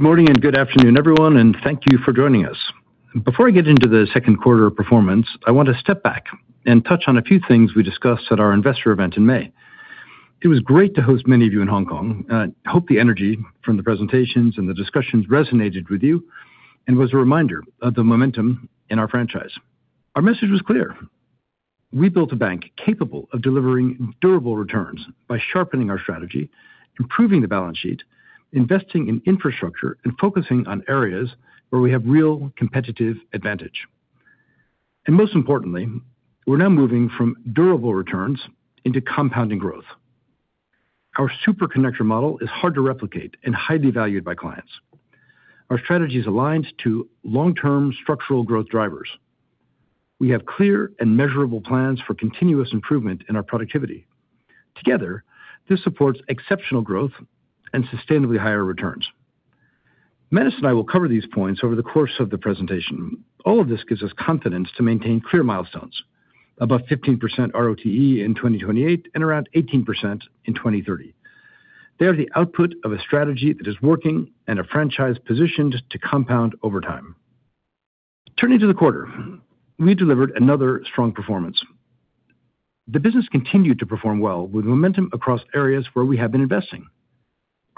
Morning and good afternoon, everyone, thank you for joining us. Before I get into the second quarter performance, I want to step back and touch on a few things we discussed at our Investor Event in May. It was great to host many of you in Hong Kong. I hope the energy from the presentations and the discussions resonated with you and was a reminder of the momentum in our franchise. Our message was clear. We built a bank capable of delivering durable returns by sharpening our strategy, improving the balance sheet, investing in infrastructure, and focusing on areas where we have real competitive advantage. Most importantly, we're now moving from durable returns into compounding growth. Our super connector model is hard to replicate and highly valued by clients. Our strategy is aligned to long-term structural growth drivers. We have clear and measurable plans for continuous improvement in our productivity. Together, this supports exceptional growth and sustainably higher returns. Manus and I will cover these points over the course of the presentation. All of this gives us confidence to maintain clear milestones, above 15% RoTE in 2028 and around 18% in 2030. They are the output of a strategy that is working and a franchise positioned to compound over time. Turning to the quarter, we delivered another strong performance. The business continued to perform well with momentum across areas where we have been investing.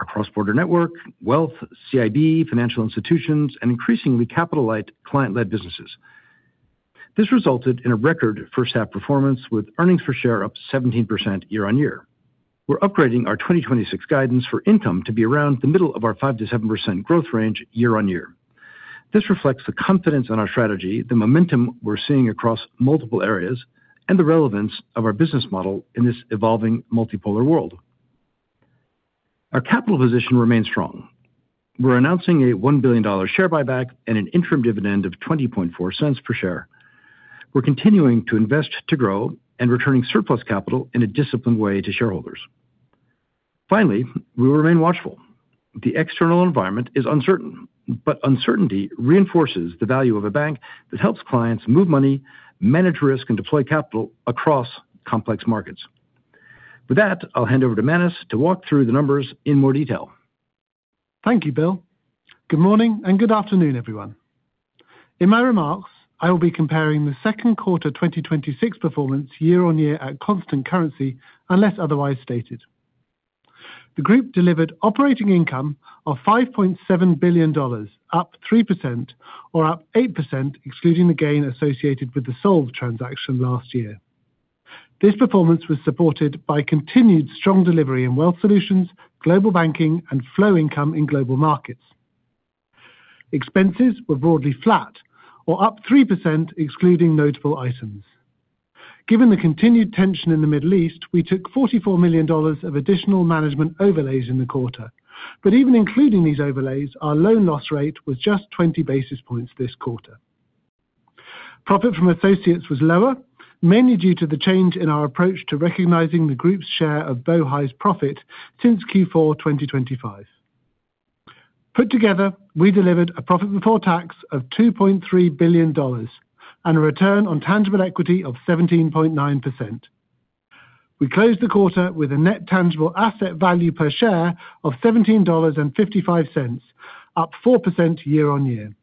Our cross-border network, wealth, CIB, financial institutions, and increasingly capital light client-led businesses. This resulted in a record first half performance with earnings per share up 17% year-on-year. We're upgrading our 2026 guidance for income to be around the middle of our 5%-7% growth range year-on-year. This reflects the confidence in our strategy, the momentum we're seeing across multiple areas, and the relevance of our business model in this evolving multipolar world. Our capital position remains strong. We're announcing a $1 billion share buyback and an interim dividend of $0.204 per share. We're continuing to invest to grow and returning surplus capital in a disciplined way to shareholders. Finally, we remain watchful. The external environment is uncertain, uncertainty reinforces the value of a bank that helps clients move money, manage risk, and deploy capital across complex markets. With that, I'll hand over to Manus to walk through the numbers in more detail. Thank you, Bill. Good morning and good afternoon, everyone. In my remarks, I will be comparing the second quarter 2026 performance year-on-year at constant currency, unless otherwise stated. The group delivered operating income of $5.7 billion, up 3%, or up 8%, excluding the gain associated with the Solv transaction last year. This performance was supported by continued strong delivery in wealth solutions, global banking, and flow income in global markets. Expenses were broadly flat or up 3%, excluding notable items. Given the continued tension in the Middle East, we took $44 million of additional management overlays in the quarter. Even including these overlays, our loan loss rate was just 20 basis points this quarter. Profit from associates was lower, mainly due to the change in our approach to recognizing the group's share of Bohai's profit since Q4 2025. Put together, we delivered a profit before tax of $2.3 billion and a return on tangible equity of 17.9%. We closed the quarter with a net tangible asset value per share of $17.55, up 4% year-on-year.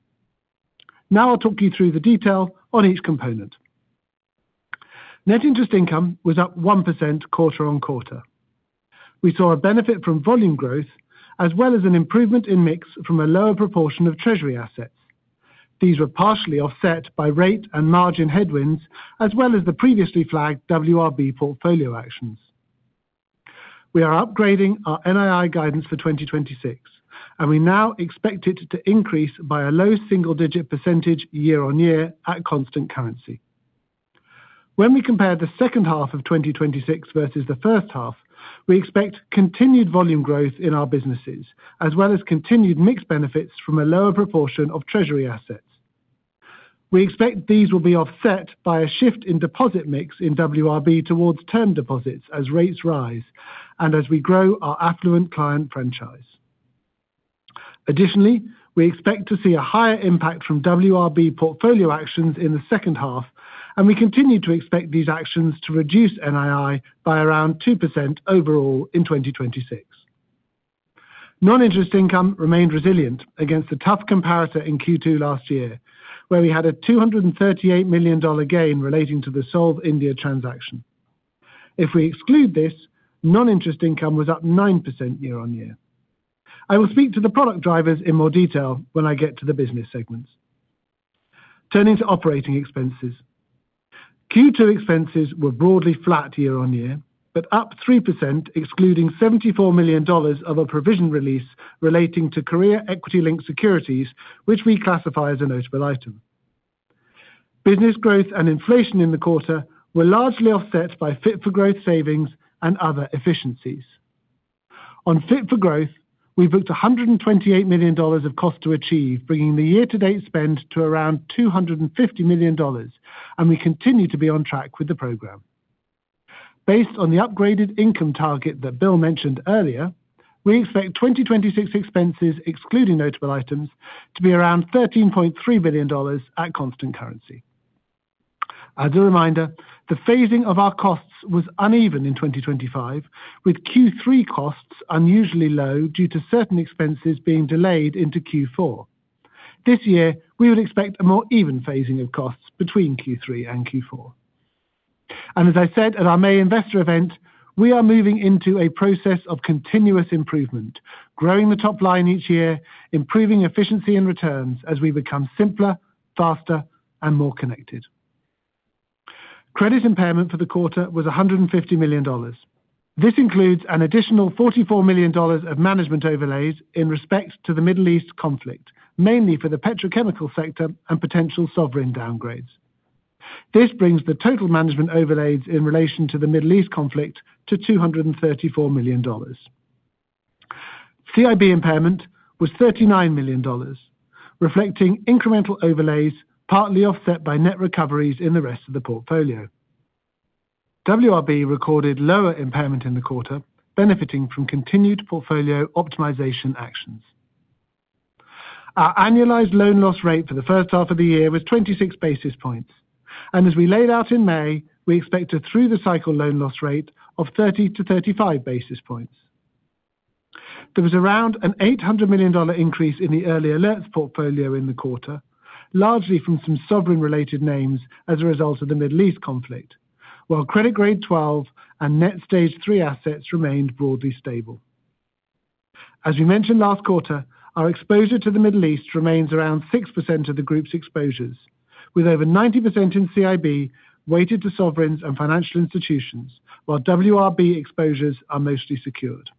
Now I'll talk you through the detail on each component. Net interest income was up 1% quarter-on-quarter. We saw a benefit from volume growth as well as an improvement in mix from a lower proportion of treasury assets. These were partially offset by rate and margin headwinds, as well as the previously flagged WRB portfolio actions. We are upgrading our NII guidance for 2026, and we now expect it to increase by a low single-digit percentage year-on-year at constant currency. When we compare the second half of 2026 versus the first half, we expect continued volume growth in our businesses, as well as continued mix benefits from a lower proportion of treasury assets. We expect these will be offset by a shift in deposit mix in WRB towards term deposits as rates rise and as we grow our affluent client franchise. Additionally, we expect to see a higher impact from WRB portfolio actions in the second half, and we continue to expect these actions to reduce NII by around 2% overall in 2026. Non-interest income remained resilient against a tough comparator in Q2 last year, where we had a $238 million gain relating to the Solv India transaction. If we exclude this, non-interest income was up 9% year-on-year. I will speak to the product drivers in more detail when I get to the business segments. Turning to operating expenses. Q2 expenses were broadly flat year-on-year, but up 3% excluding $74 million of a provision release relating to Korea Equity-Linked Securities, which we classify as a notable item. Business growth and inflation in the quarter were largely offset by Fit for Growth savings and other efficiencies. On Fit for Growth, we've booked $128 million of cost to achieve, bringing the year-to-date spend to around $250 million, and we continue to be on track with the program. Based on the upgraded income target that Bill mentioned earlier, we expect 2026 expenses excluding notable items, to be around $13.3 billion at constant currency. As a reminder, the phasing of our costs was uneven in 2025, with Q3 costs unusually low due to certain expenses being delayed into Q4. This year, we would expect a more even phasing of costs between Q3 and Q4. As I said at our May Investor Event, we are moving into a process of continuous improvement, growing the top line each year, improving efficiency and returns as we become simpler, faster, and more connected. Credit impairment for the quarter was $150 million. This includes an additional $44 million of management overlays in respect to the Middle East conflict, mainly for the petrochemical sector and potential sovereign downgrades. This brings the total management overlays in relation to the Middle East conflict to $234 million. CIB impairment was $39 million, reflecting incremental overlays, partly offset by net recoveries in the rest of the portfolio. WRB recorded lower impairment in the quarter, benefiting from continued portfolio optimization actions. Our annualized loan loss rate for the first half of the year was 26 basis points. As we laid out in May, we expect a through-the-cycle loan loss rate of 30-35 basis points. There was around an $800 million increase in the early alerts portfolio in the quarter, largely from some sovereign-related names as a result of the Middle East conflict. While credit Grade 12 and net Stage 3 assets remained broadly stable. As we mentioned last quarter, our exposure to the Middle East remains around 6% of the group's exposures, with over 90% in CIB weighted to sovereigns and financial institutions, while WRB exposures are mostly secured.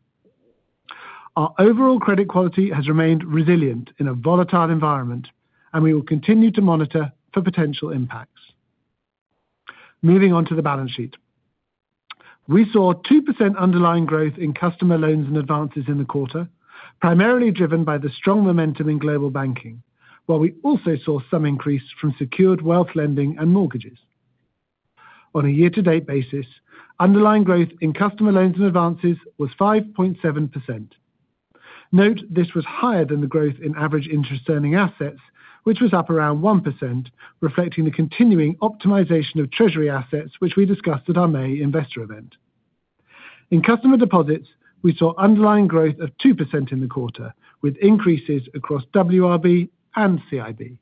Our overall credit quality has remained resilient in a volatile environment, and we will continue to monitor for potential impacts. Moving on to the balance sheet. We saw 2% underlying growth in customer loans and advances in the quarter, primarily driven by the strong momentum in global banking. We also saw some increase from secured wealth lending and mortgages. On a year-to-date basis, underlying growth in customer loans and advances was 5.7%. Note, this was higher than the growth in average interest earning assets, which was up around 1%, reflecting the continuing optimization of treasury assets, which we discussed at our May Investor Event. In customer deposits, we saw underlying growth of 2% in the quarter, with increases across WRB and CIB.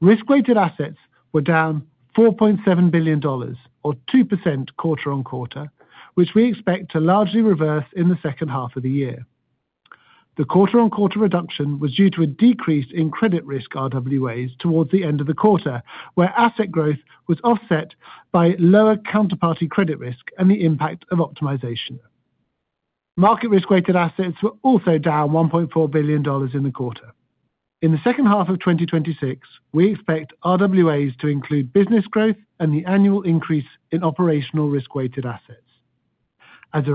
Risk-weighted assets were down $4.7 billion, or 2% quarter-on-quarter, which we expect to largely reverse in the second half of the year. The quarter-on-quarter reduction was due to a decrease in credit risk RWAs towards the end of the quarter, where asset growth was offset by lower counterparty credit risk and the impact of optimization. Market risk-weighted assets were also down $1.4 billion in the quarter. In the second half of 2026, we expect RWAs to include business growth and the annual increase in operational risk-weighted assets. As a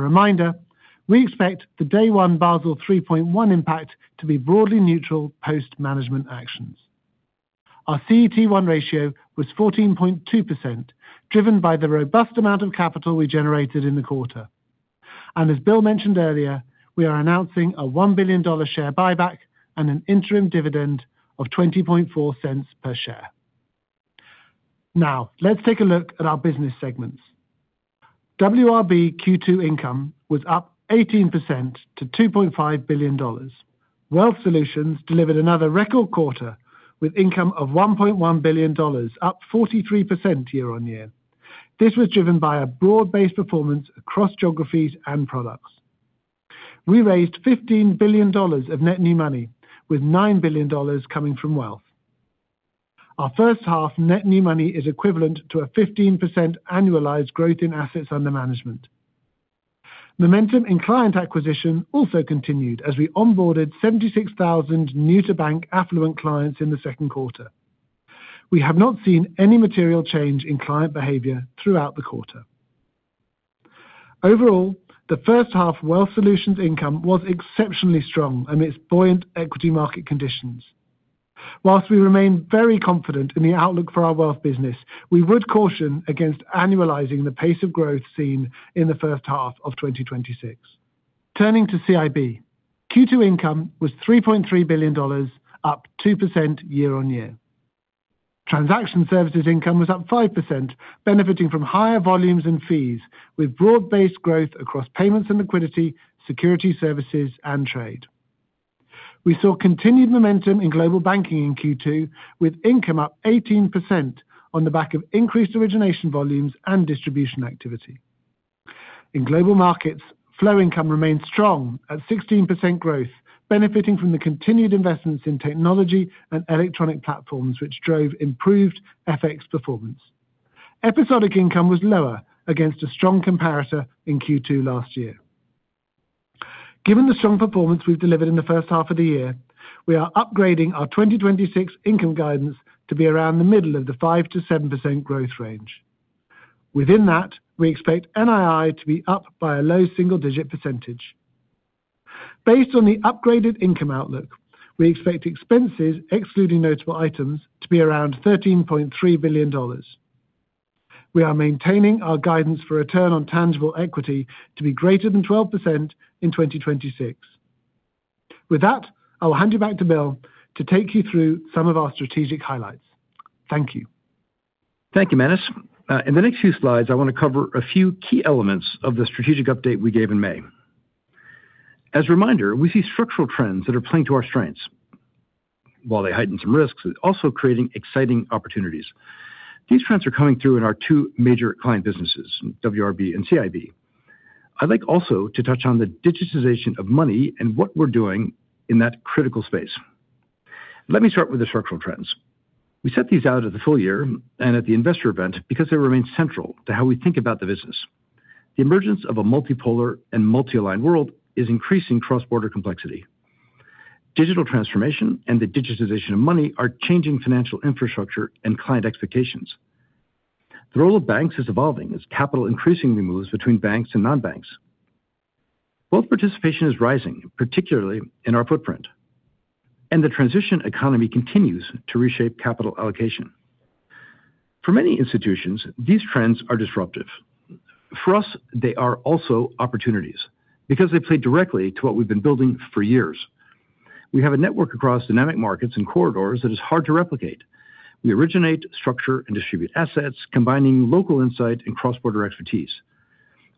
reminder, we expect the day one Basel 3.1 impact to be broadly neutral post management actions. Our CET1 ratio was 14.2%, driven by the robust amount of capital we generated in the quarter. As Bill mentioned earlier, we are announcing a $1 billion share buyback and an interim dividend of $0.204 per share. Let's take a look at our business segments. WRB Q2 income was up 18% to $2.5 billion. Wealth solutions delivered another record quarter with income of $1.1 billion, up 43% year-on-year. This was driven by a broad-based performance across geographies and products. We raised $15 billion of net new money, with $9 billion coming from wealth. Our first half net new money is equivalent to a 15% annualized growth in AUM. Momentum in client acquisition also continued as we onboarded 76,000 new-to-bank affluent clients in the second quarter. We have not seen any material change in client behavior throughout the quarter. Overall, the first half wealth solutions income was exceptionally strong amidst buoyant equity market conditions. Whilst we remain very confident in the outlook for our wealth business, we would caution against annualizing the pace of growth seen in the first half of 2026. Turning to CIB. Q2 income was $3.3 billion, up 2% year-on-year. Transaction services income was up 5%, benefiting from higher volumes and fees, with broad-based growth across payments and liquidity, security services, and trade. We saw continued momentum in global banking in Q2, with income up 18% on the back of increased origination volumes and distribution activity. In global markets, flow income remained strong at 16% growth, benefiting from the continued investments in technology and electronic platforms, which drove improved FX performance. Episodic income was lower against a strong comparator in Q2 last year. Given the strong performance we've delivered in the first half of the year, we are upgrading our 2026 income guidance to be around the middle of the 5%-7% growth range. Within that, we expect NII to be up by a low single digit percentage. Based on the upgraded income outlook, we expect expenses excluding notable items to be around $13.3 billion. We are maintaining our guidance for return on tangible equity to be greater than 12% in 2026. With that, I'll hand you back to Bill to take you through some of our strategic highlights. Thank you. Thank you, Manus. In the next few slides, I want to cover a few key elements of the strategic update we gave in May. As a reminder, we see structural trends that are playing to our strengths. While they heighten some risks, they're also creating exciting opportunities. These trends are coming through in our two major client businesses, WRB and CIB. I'd like also to touch on the digitization of money and what we're doing in that critical space. Let me start with the structural trends. We set these out at the full-year and at the Investor Event because they remain central to how we think about the business. The emergence of a multipolar and multialigned world is increasing cross-border complexity. Digital transformation and the digitization of money are changing financial infrastructure and client expectations. The role of banks is evolving as capital increasingly moves between banks and non-banks. Wealth participation is rising, particularly in our footprint, and the transition economy continues to reshape capital allocation. For many institutions, these trends are disruptive. For us, they are also opportunities because they play directly to what we've been building for years. We have a network across dynamic markets and corridors that is hard to replicate. We originate, structure, and distribute assets, combining local insight and cross-border expertise.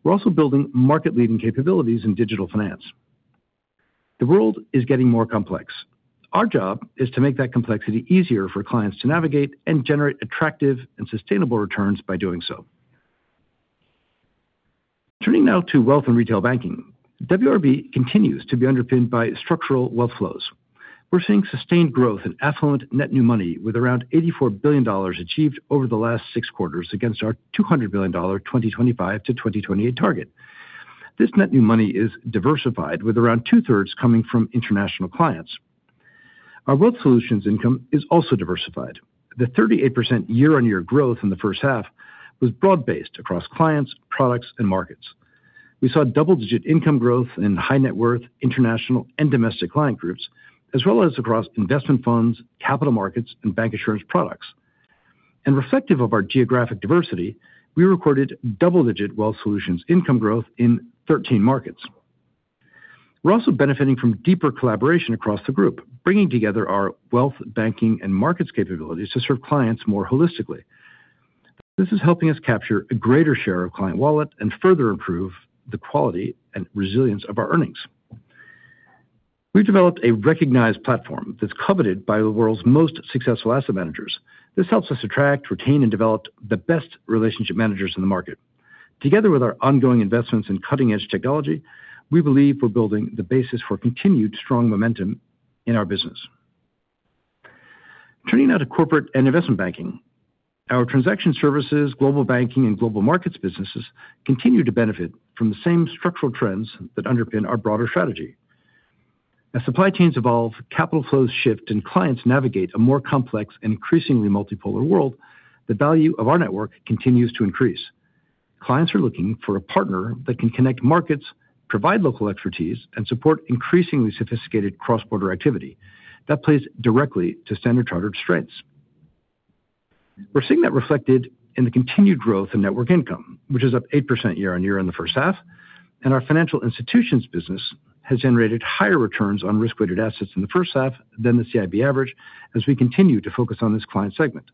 We're also building market-leading capabilities in digital finance. The world is getting more complex. Our job is to make that complexity easier for clients to navigate and generate attractive and sustainable returns by doing so. Turning now to wealth and retail banking. WRB continues to be underpinned by structural wealth flows. We're seeing sustained growth in affluent net new money, with around $84 billion achieved over the last six quarters against our $200 billion 2025-2028 target. This net new money is diversified, with around two-thirds coming from international clients. Our wealth solutions income is also diversified. The 38% year-on-year growth in the first half was broad-based across clients, products, and markets. We saw double-digit income growth in high net worth, international, and domestic client groups, as well as across investment funds, capital markets, and bancassurance products. Reflective of our geographic diversity, we recorded double-digit wealth solutions income growth in 13 markets. We're also benefiting from deeper collaboration across the group, bringing together our wealth banking and markets capabilities to serve clients more holistically. This is helping us capture a greater share of client wallet and further improve the quality and resilience of our earnings. We've developed a recognized platform that's coveted by the world's most successful asset managers. This helps us attract, retain, and develop the best relationship managers in the market. Together with our ongoing investments in cutting-edge technology, we believe we're building the basis for continued strong momentum in our business. Turning now to corporate and investment banking. Our transaction services, global banking, and global markets businesses continue to benefit from the same structural trends that underpin our broader strategy. As supply chains evolve, capital flows shift, and clients navigate a more complex and increasingly multipolar world, the value of our network continues to increase. Clients are looking for a partner that can connect markets, provide local expertise, and support increasingly sophisticated cross-border activity. That plays directly to Standard Chartered's strengths. We're seeing that reflected in the continued growth in network income, which is up 8% year-on-year in the first half, and our financial institutions business has generated higher returns on risk-weighted assets in the first half than the CIB average as we continue to focus on this client segment.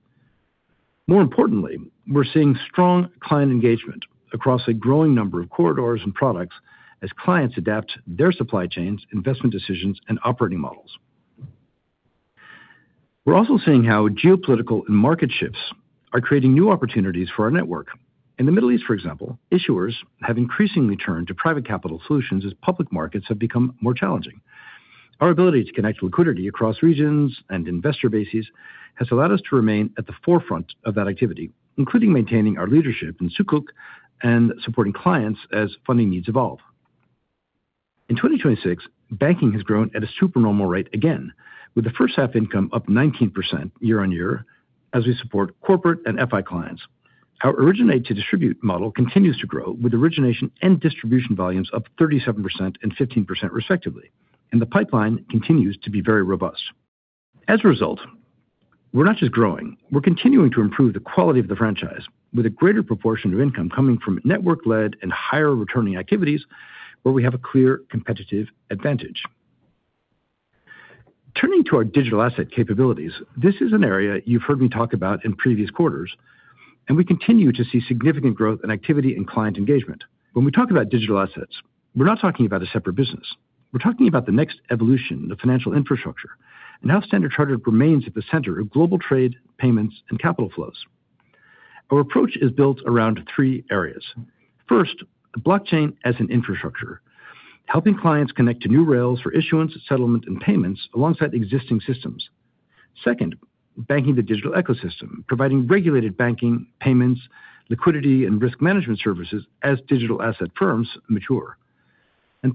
More importantly, we're seeing strong client engagement across a growing number of corridors and products as clients adapt their supply chains, investment decisions, and operating models. We're also seeing how geopolitical and market shifts are creating new opportunities for our network. In the Middle East, for example, issuers have increasingly turned to private capital solutions as public markets have become more challenging. Our ability to connect liquidity across regions and investor bases has allowed us to remain at the forefront of that activity, including maintaining our leadership in Sukuk and supporting clients as funding needs evolve. In 2026, banking has grown at a supernormal rate again, with the first half income up 19% year-on-year as we support corporate and FI clients. Our originate to distribute model continues to grow, with origination and distribution volumes up 37% and 15% respectively, and the pipeline continues to be very robust. As a result, we're not just growing. We're continuing to improve the quality of the franchise with a greater proportion of income coming from network-led and higher returning activities where we have a clear competitive advantage. Turning to our digital asset capabilities. This is an area you've heard me talk about in previous quarters, and we continue to see significant growth and activity in client engagement. When we talk about digital assets, we're not talking about a separate business. We're talking about the next evolution of financial infrastructure and how Standard Chartered remains at the center of global trade, payments, and capital flows. Our approach is built around three areas. First, blockchain as an infrastructure, helping clients connect to new rails for issuance, settlement, and payments alongside existing systems. Second, banking the digital ecosystem, providing regulated banking, payments, liquidity, and risk management services as digital asset firms mature.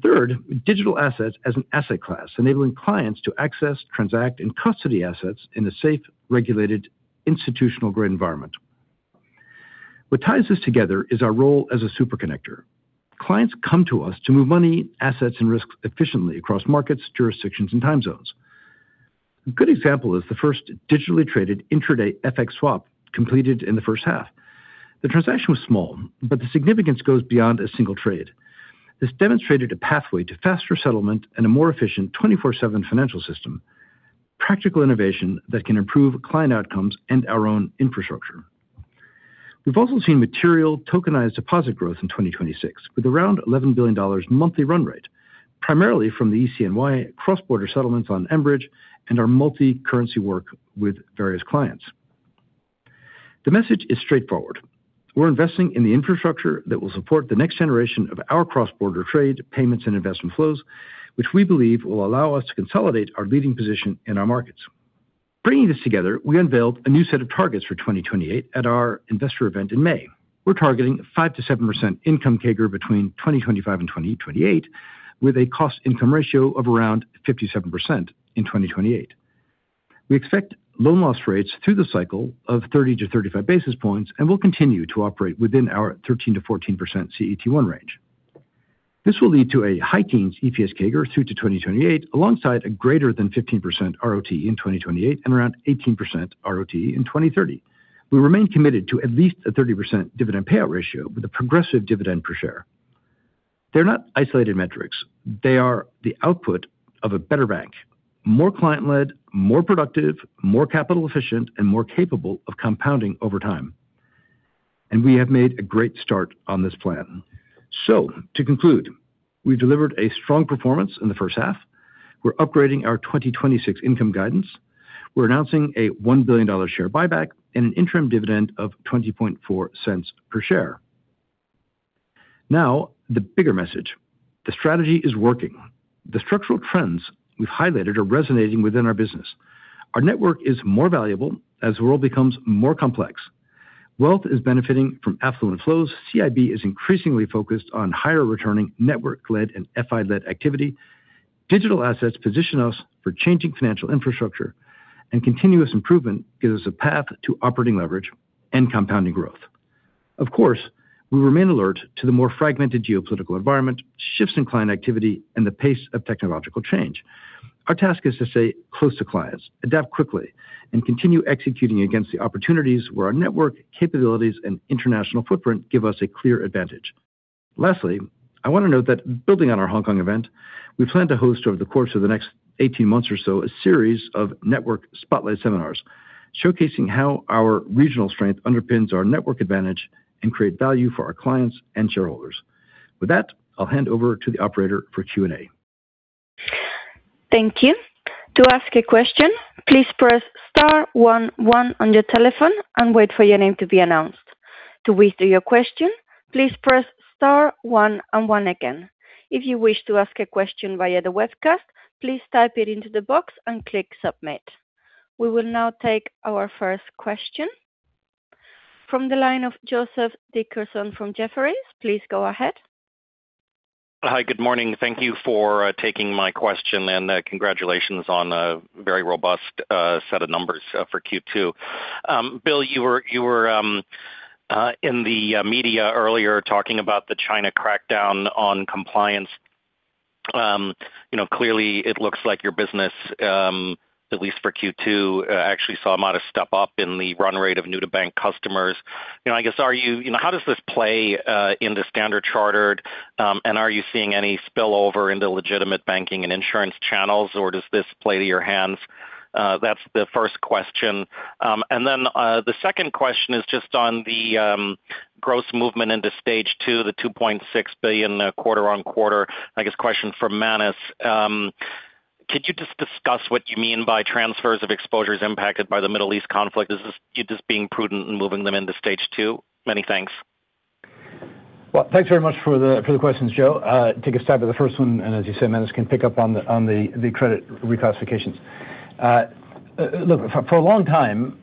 Third, digital assets as an asset class, enabling clients to access, transact, and custody assets in a safe, regulated, institutional-grade environment. What ties this together is our role as a super connector. Clients come to us to move money, assets, and risks efficiently across markets, jurisdictions, and time zones. A good example is the first digitally traded intraday FX swap completed in the first half. The transaction was small, but the significance goes beyond a single trade. This demonstrated a pathway to faster settlement and a more efficient 24/7 financial system, practical innovation that can improve client outcomes and our own infrastructure. We've also seen material tokenized deposit growth in 2026 with around $11 billion monthly run rate, primarily from the e-CNY cross-border settlements on mBridge and our multicurrency work with various clients. The message is straightforward. We're investing in the infrastructure that will support the next generation of our cross-border trade, payments, and investment flows, which we believe will allow us to consolidate our leading position in our markets. Bringing this together, we unveiled a new set of targets for 2028 at our Investor Event in May. We're targeting a 5%-7% income CAGR between 2025 and 2028, with a cost-income ratio of around 57% in 2028. We expect loan loss rates through the cycle of 30-35 basis points, and we'll continue to operate within our 13%-14% CET1 range. This will lead to a high teens EPS CAGR through to 2028, alongside a greater than 15% RoTE in 2028 and around 18% RoTE in 2030. We remain committed to at least a 30% dividend payout ratio with a progressive dividend per share. They're not isolated metrics. They are the output of a better bank, more client-led, more productive, more capital efficient, and more capable of compounding over time. We have made a great start on this plan. To conclude, we've delivered a strong performance in the first half. We're upgrading our 2026 income guidance. We're announcing a $1 billion share buyback and an interim dividend of $0.204 per share. Now the bigger message. The strategy is working. The structural trends we've highlighted are resonating within our business. Our network is more valuable as the world becomes more complex. Wealth is benefiting from affluent flows. CIB is increasingly focused on higher returning network-led and FI-led activity. Digital assets position us for changing financial infrastructure, and continuous improvement gives us a path to operating leverage and compounding growth. Of course, we remain alert to the more fragmented geopolitical environment, shifts in client activity, and the pace of technological change. Our task is to stay close to clients, adapt quickly, and continue executing against the opportunities where our network capabilities and international footprint give us a clear advantage. Lastly, I want to note that building on our Hong Kong event, we plan to host over the course of the next 18 months or so, a series of network spotlight seminars showcasing how our regional strength underpins our network advantage and create value for our clients and shareholders. With that, I'll hand over to the operator for Q&A. Thank you. To ask a question, please press star one one on your telephone and wait for your name to be announced. To withdraw your question, please press star one and one again. If you wish to ask a question via the webcast, please type it into the box and click submit. We will now take our first question. From the line of Joseph Dickerson from Jefferies, please go ahead. Hi, good morning. Thank you for taking my question, and congratulations on a very robust set of numbers for Q2. Bill, you were in the media earlier talking about the China crackdown on compliance. Clearly it looks like your business, at least for Q2, actually saw a modest step up in the run rate of new-to-bank customers. How does this play into Standard Chartered, and are you seeing any spillover into legitimate banking and insurance channels, or does this play to your hands? That's the first question. The second question is just on the gross movement into Stage 2, the $2.6 billion quarter-on-quarter. I guess question for Manus. Could you just discuss what you mean by transfers of exposures impacted by the Middle East conflict? Is this you just being prudent and moving them into Stage 2? Many thanks. Well, thanks very much for the questions, Joe. Take a stab at the first one, and as you say, Manus can pick up on the credit reclassifications. Look, for a long time,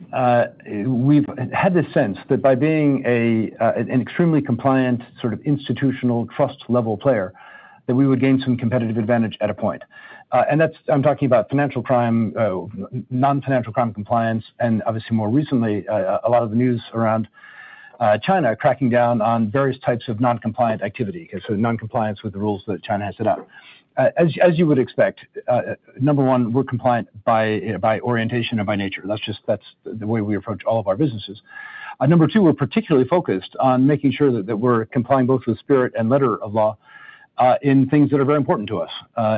we've had this sense that by being an extremely compliant, institutional trust level player, that we would gain some competitive advantage at a point. I'm talking about non-financial crime compliance, and obviously more recently, a lot of the news around China cracking down on various types of non-compliant activity. Non-compliance with the rules that China has set up. As you would expect, number 1, we're compliant by orientation and by nature. That's the way we approach all of our businesses. Number two, we're particularly focused on making sure that we're complying both with spirit and letter of law, in things that are very important to us,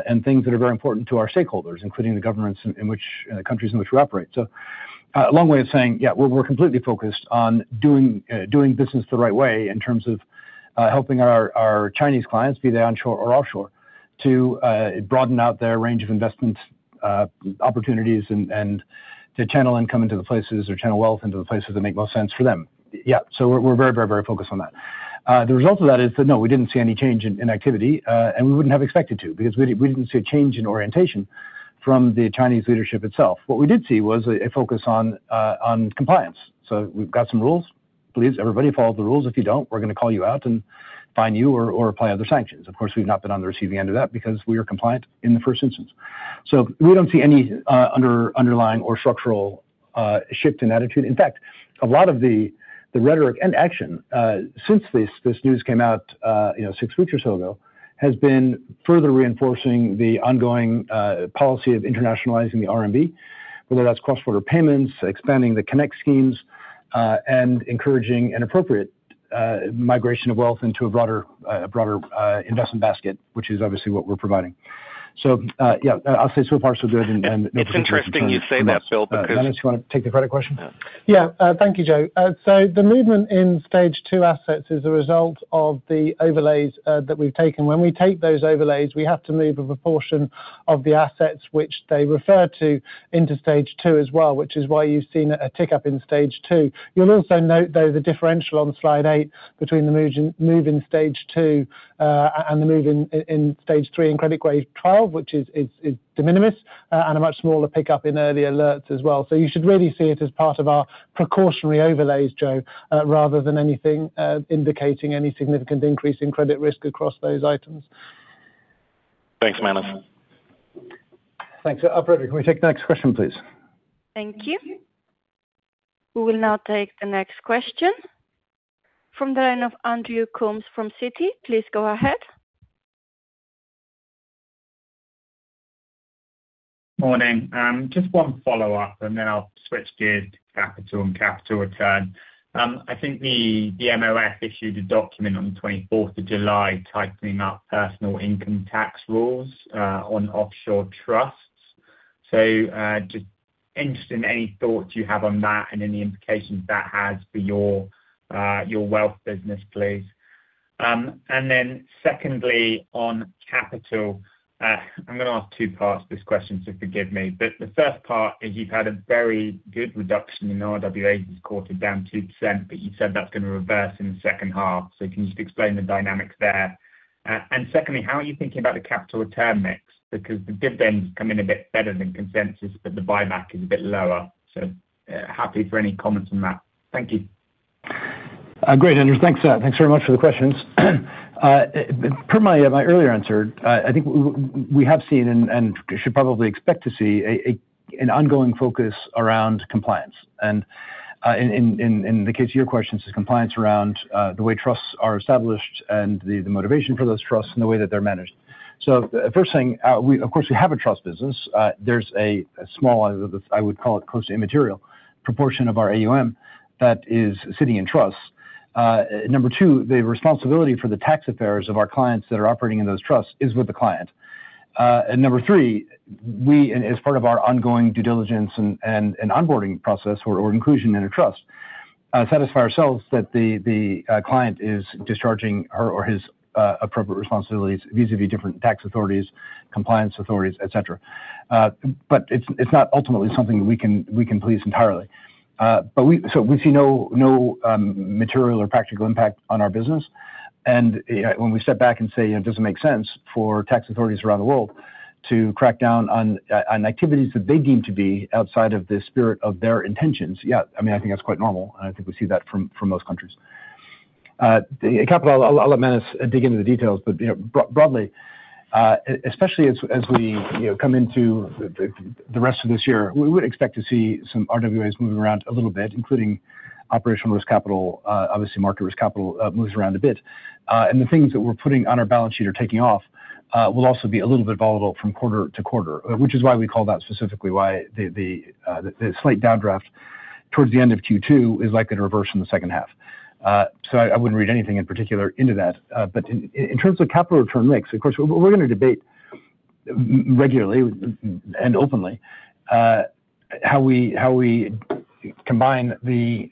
and things that are very important to our stakeholders, including the governments in the countries in which we operate. A long way of saying, yeah, we're completely focused on doing business the right way in terms of helping our Chinese clients, be they onshore or offshore, to broaden out their range of investment opportunities and to channel income into the places or channel wealth into the places that make most sense for them. Yeah. We're very focused on that. The result of that is that no, we didn't see any change in activity, and we wouldn't have expected to, because we didn't see a change in orientation from the Chinese leadership itself. What we did see was a focus on compliance. We've got some rules. Please, everybody, follow the rules. If you don't, we're going to call you out and fine you or apply other sanctions. Of course, we've not been on the receiving end of that because we are compliant in the first instance. We don't see any underlying or structural shift in attitude. In fact, a lot of the rhetoric and action since this news came out six weeks or so ago, has been further reinforcing the ongoing policy of internationalizing the RMB. Whether that's cross-border payments, expanding the connect schemes, and encouraging an appropriate migration of wealth into a broader investment basket, which is obviously what we're providing. Yeah, I'll say so far, so good. It's interesting you say that, Bill. Manus, you want to take the credit question? Yeah. Thank you, Joe. The movement in Stage 2 assets is a result of the overlays that we've taken. When we take those overlays, we have to move a proportion of the assets which they refer to into Stage 2 as well, which is why you've seen a tick-up in Stage 2. You'll also note, though, the differential on slide eight between the move in Stage 2, and the move in Stage 3 in credit Grade 12, which is de minimis, and a much smaller pickup in early alerts as well. You should really see it as part of our precautionary overlays, Joe, rather than anything indicating any significant increase in credit risk across those items. Thanks, Manus. Thanks. Operator, can we take the next question, please? Thank you. We will now take the next question from the line of Andrew Coombs from Citi. Please go ahead. Morning. Just one follow-up, I'll switch gears to capital and capital return. I think the MOF issued a document on the 24th of July tightening up personal income tax rules on offshore trusts. Just interested in any thoughts you have on that and any implications that has for your wealth business, please. Secondly, on capital. I'm going to ask two parts to this question, forgive me. The first part is you've had a very good reduction in RWAs this quarter down 2%, but you said that's going to reverse in the second half. Can you just explain the dynamics there? Secondly, how are you thinking about the capital return mix? Because the dividend come in a bit better than consensus, but the buyback is a bit lower. Happy for any comments on that. Thank you. Great, Andrew. Thanks very much for the questions. Per my earlier answer, I think we have seen, and should probably expect to see, an ongoing focus around compliance. In the case of your questions, the compliance around the way trusts are established and the motivation for those trusts and the way that they're managed. The first thing, of course, we have a trust business. There's a small, I would call it close to immaterial proportion of our AUM that is sitting in trusts. Number two, the responsibility for the tax affairs of our clients that are operating in those trusts is with the client. Number three, we, as part of our ongoing due diligence and onboarding process or inclusion in a trust, satisfy ourselves that the client is discharging her or his appropriate responsibilities vis-à-vis different tax authorities, compliance authorities, et cetera. It's not ultimately something that we can police entirely. We see no material or practical impact on our business. When we step back and say it doesn't make sense for tax authorities around the world to crack down on activities that they deem to be outside of the spirit of their intentions, yeah, I think that's quite normal, and I think we see that from most countries. Capital, I'll let Manus dig into the details. Broadly, especially as we come into the rest of this year, we would expect to see some RWAs moving around a little bit, including operational risk capital. Obviously, market risk capital moves around a bit. The things that we're putting on our balance sheet or taking off will also be a little bit volatile from quarter to quarter. Which is why we call that specifically why the slight downdraft towards the end of Q2 is likely to reverse in the second half. I wouldn't read anything in particular into that. In terms of capital return mix, of course, we're going to debate regularly and openly how we combine the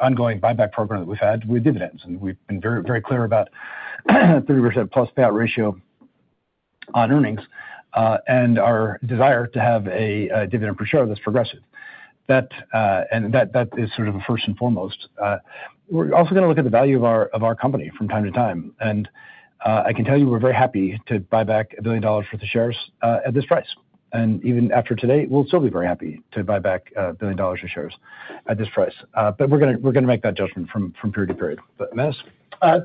ongoing buyback program that we've had with dividends. We've been very clear about 30%+ payout ratio on earnings, and our desire to have a dividend per share that's progressive. That is sort of a first and foremost. We're also going to look at the value of our company from time to time. I can tell you we're very happy to buy back $1 billion worth of shares at this price. Even after today, we'll still be very happy to buy back $1 billion of shares at this price. We're going to make that judgment from period to period. Manus?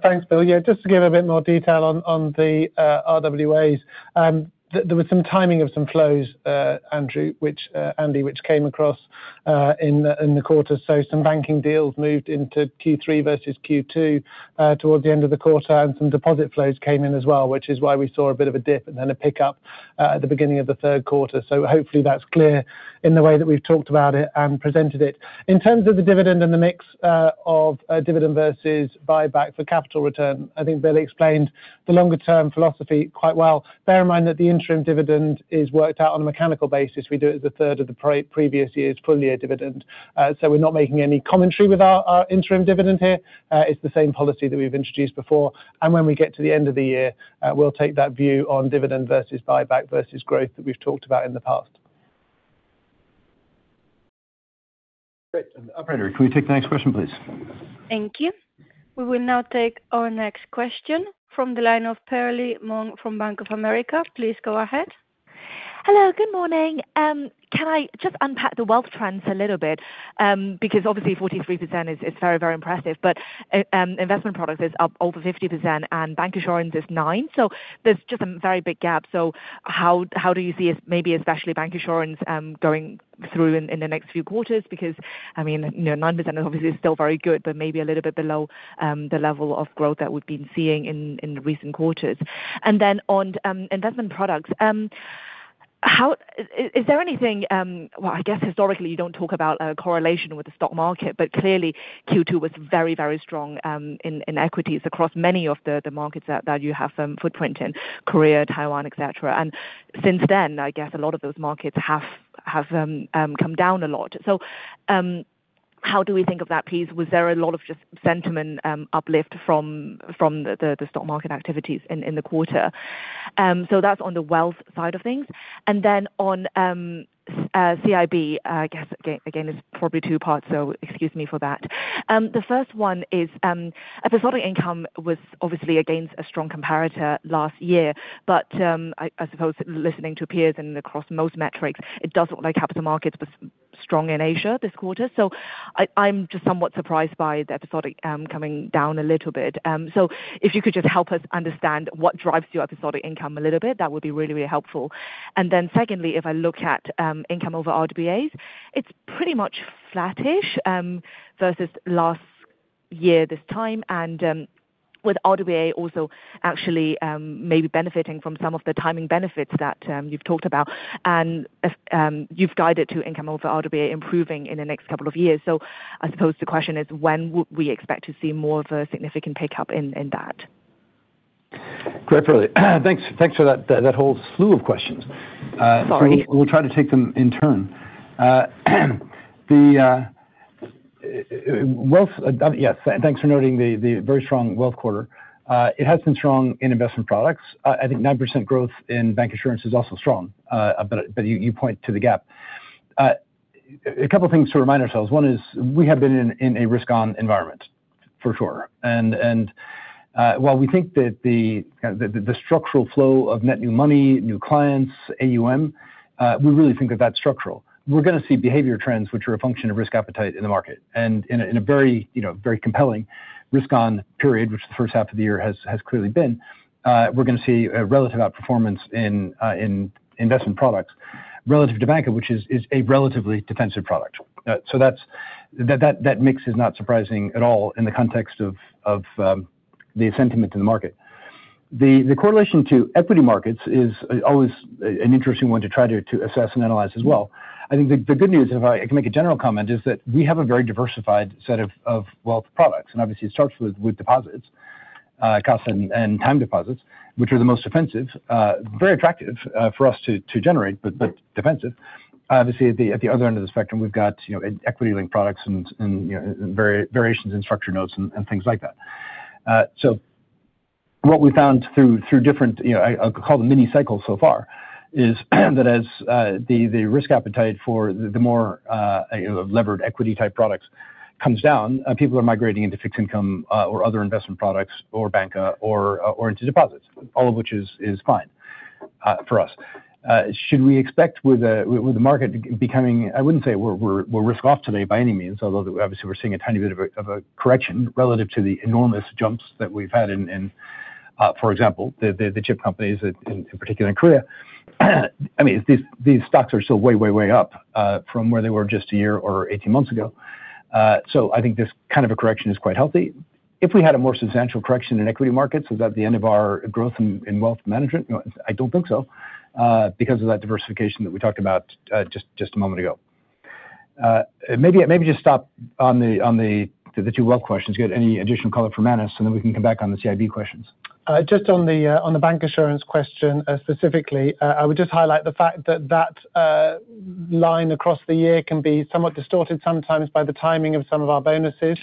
Thanks, Bill. Yeah, just to give a bit more detail on the RWAs. There was some timing of some flows, Andrew, which came across in the quarter. Some banking deals moved into Q3 versus Q2 towards the end of the quarter, and some deposit flows came in as well, which is why we saw a bit of a dip and then a pickup at the beginning of the third quarter. Hopefully that's clear in the way that we've talked about it and presented it. In terms of the dividend and the mix of dividend versus buyback for capital return, I think Bill explained the longer-term philosophy quite well. Bear in mind that the interim dividend is worked out on a mechanical basis. We do it as a third of the previous year's full-year dividend. We're not making any commentary with our interim dividend here. It's the same policy that we've introduced before. When we get to the end of the year, we'll take that view on dividend versus buyback versus growth that we've talked about in the past. Great. Operator, can we take the next question, please? Thank you. We will now take our next question from the line of Perlie Mong from Bank of America. Please go ahead. Hello, good morning. Can I just unpack the wealth trends a little bit? Obviously 43% is very impressive, but investment products is up over 50% and bancassurance is nine. There's just a very big gap. How do you see maybe especially bancassurance going through in the next few quarters? I mean, 9% obviously is still very good, but maybe a little bit below the level of growth that we've been seeing in recent quarters. On investment products, is there anything? Well, I guess historically you don't talk about a correlation with the stock market, but clearly Q2 was very strong in equities across many of the markets that you have footprint in, Korea, Taiwan, et cetera. Since then, I guess a lot of those markets have come down a lot. How do we think of that piece? Was there a lot of just sentiment uplift from the stock market activities in the quarter? That's on the wealth side of things. On CIB, I guess, again, it's probably two parts, so excuse me for that. The first one is, episodic income was obviously against a strong comparator last year. I suppose listening to peers and across most metrics, it does look like capital markets was strong in Asia this quarter. I'm just somewhat surprised by the episodic coming down a little bit. If you could just help us understand what drives your episodic income a little bit, that would be really helpful. Secondly, if I look at income over RWAs, it's pretty much flattish versus last year this time, and with RWA also actually maybe benefiting from some of the timing benefits that you've talked about, and you've guided to income over RWA improving in the next couple of years. I suppose the question is when would we expect to see more of a significant pickup in that? Great. Really. Thanks for that whole slew of questions. Sorry. We'll try to take them in turn. Thanks for noting the very strong wealth quarter. It has been strong in investment products. I think 9% growth in bank insurance is also strong. You point to the gap. A couple things to remind ourselves. One is we have been in a risk on environment for sure. While we think that the structural flow of net new money, new clients, AUM, we really think of that structural. We're going to see behavior trends, which are a function of risk appetite in the market. In a very compelling risk on period, which the first half of the year has clearly been, we're going to see a relative outperformance in investment products relative to banca, which is a relatively defensive product. That mix is not surprising at all in the context of the sentiment in the market. The correlation to equity markets is always an interesting one to try to assess and analyze as well. I think the good news, if I can make a general comment, is that we have a very diversified set of wealth products. Obviously it starts with deposits, CASA and time deposits, which are the most offensive, very attractive for us to generate, but defensive. Obviously, at the other end of the spectrum, we've got equity link products and variations in structure notes and things like that. What we found through different, I'll call it mini cycles so far, is that as the risk appetite for the more levered equity type products comes down, people are migrating into fixed income or other investment products or banca or into deposits. All of which is fine for us. Should we expect with the market becoming. I wouldn't say we're risk off today by any means, although obviously we're seeing a tiny bit of a correction relative to the enormous jumps that we've had in, for example, the chip companies in particular in Korea. I mean, these stocks are still way up from where they were just a year or 18 months ago. I think this kind of a correction is quite healthy. If we had a more substantial correction in equity markets, is that the end of our growth in wealth management? I don't think so, because of that diversification that we talked about just a moment ago. Maybe just stop on the two wealth questions. You got any additional color for Manus? Then we can come back on the CIB questions. Just on the bancassurance question specifically, I would just highlight the fact that that line across the year can be somewhat distorted sometimes by the timing of some of our bonuses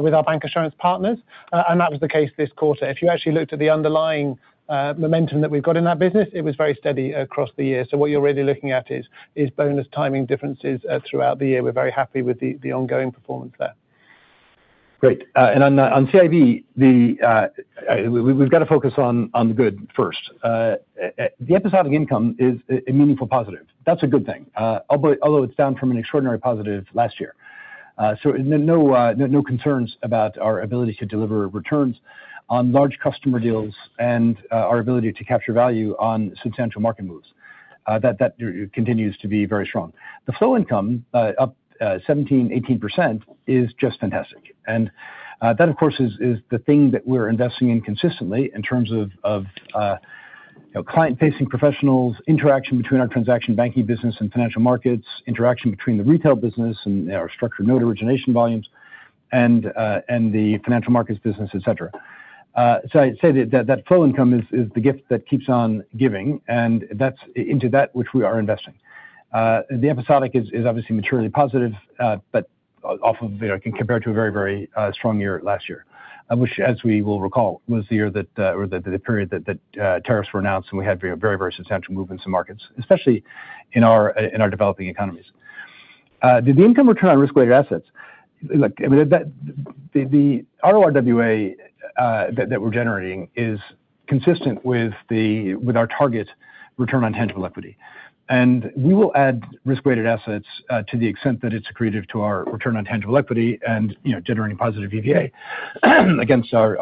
with our bancassurance partners. That was the case this quarter. If you actually looked at the underlying momentum that we've got in that business, it was very steady across the year. What you're really looking at is bonus timing differences throughout the year. We're very happy with the ongoing performance there. Great. On CIB, we've got to focus on the good first. The episodic income is a meaningful positive. That's a good thing. Although it's down from an extraordinary positive last year. No concerns about our ability to deliver returns on large customer deals and our ability to capture value on substantial market moves. That continues to be very strong. The flow income up 17%-18% is just fantastic. That, of course, is the thing that we're investing in consistently in terms of client-facing professionals, interaction between our transaction banking business and financial markets, interaction between the retail business and our structured note origination volumes and the financial markets business, et cetera. I'd say that that flow income is the gift that keeps on giving, and into that which we are investing. The episodic is obviously materially positive. Off of compared to a very strong year last year, which, as we will recall, was the year that, or the period that tariffs were announced and we had very substantial movements in markets, especially in our developing economies. The income return on risk-weighted assets, the RoRWA that we're generating is consistent with our target return on tangible equity. We will add risk-weighted assets to the extent that it's accretive to our return on tangible equity and generating positive EVA against our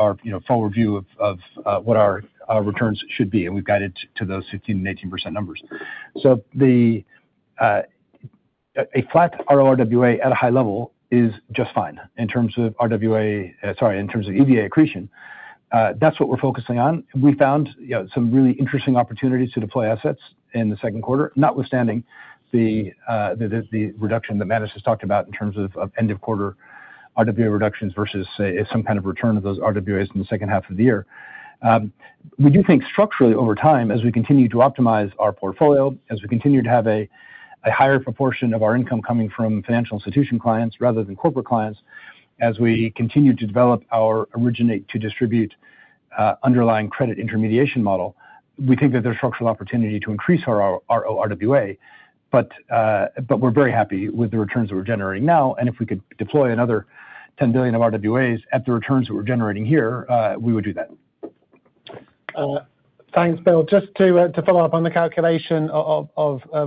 forward view of what our returns should be, and we've guided to those 15% and 18% numbers. A flat RoRWA at a high level is just fine in terms of RWA-- sorry, in terms of EVA accretion. That's what we're focusing on. We found some really interesting opportunities to deploy assets in the second quarter, notwithstanding the reduction that Manus has talked about in terms of end of quarter RWA reductions versus some kind of return of those RWAs in the second half of the year. We do think structurally over time, as we continue to optimize our portfolio, as we continue to have a higher proportion of our income coming from financial institution clients rather than corporate clients, as we continue to develop our originate-to-distribute underlying credit intermediation model, we think that there's structural opportunity to increase our RoRWA. We're very happy with the returns that we're generating now, and if we could deploy another $10 billion of RWAs at the returns that we're generating here, we would do that. Thanks, Bill. Just to follow up on the calculation of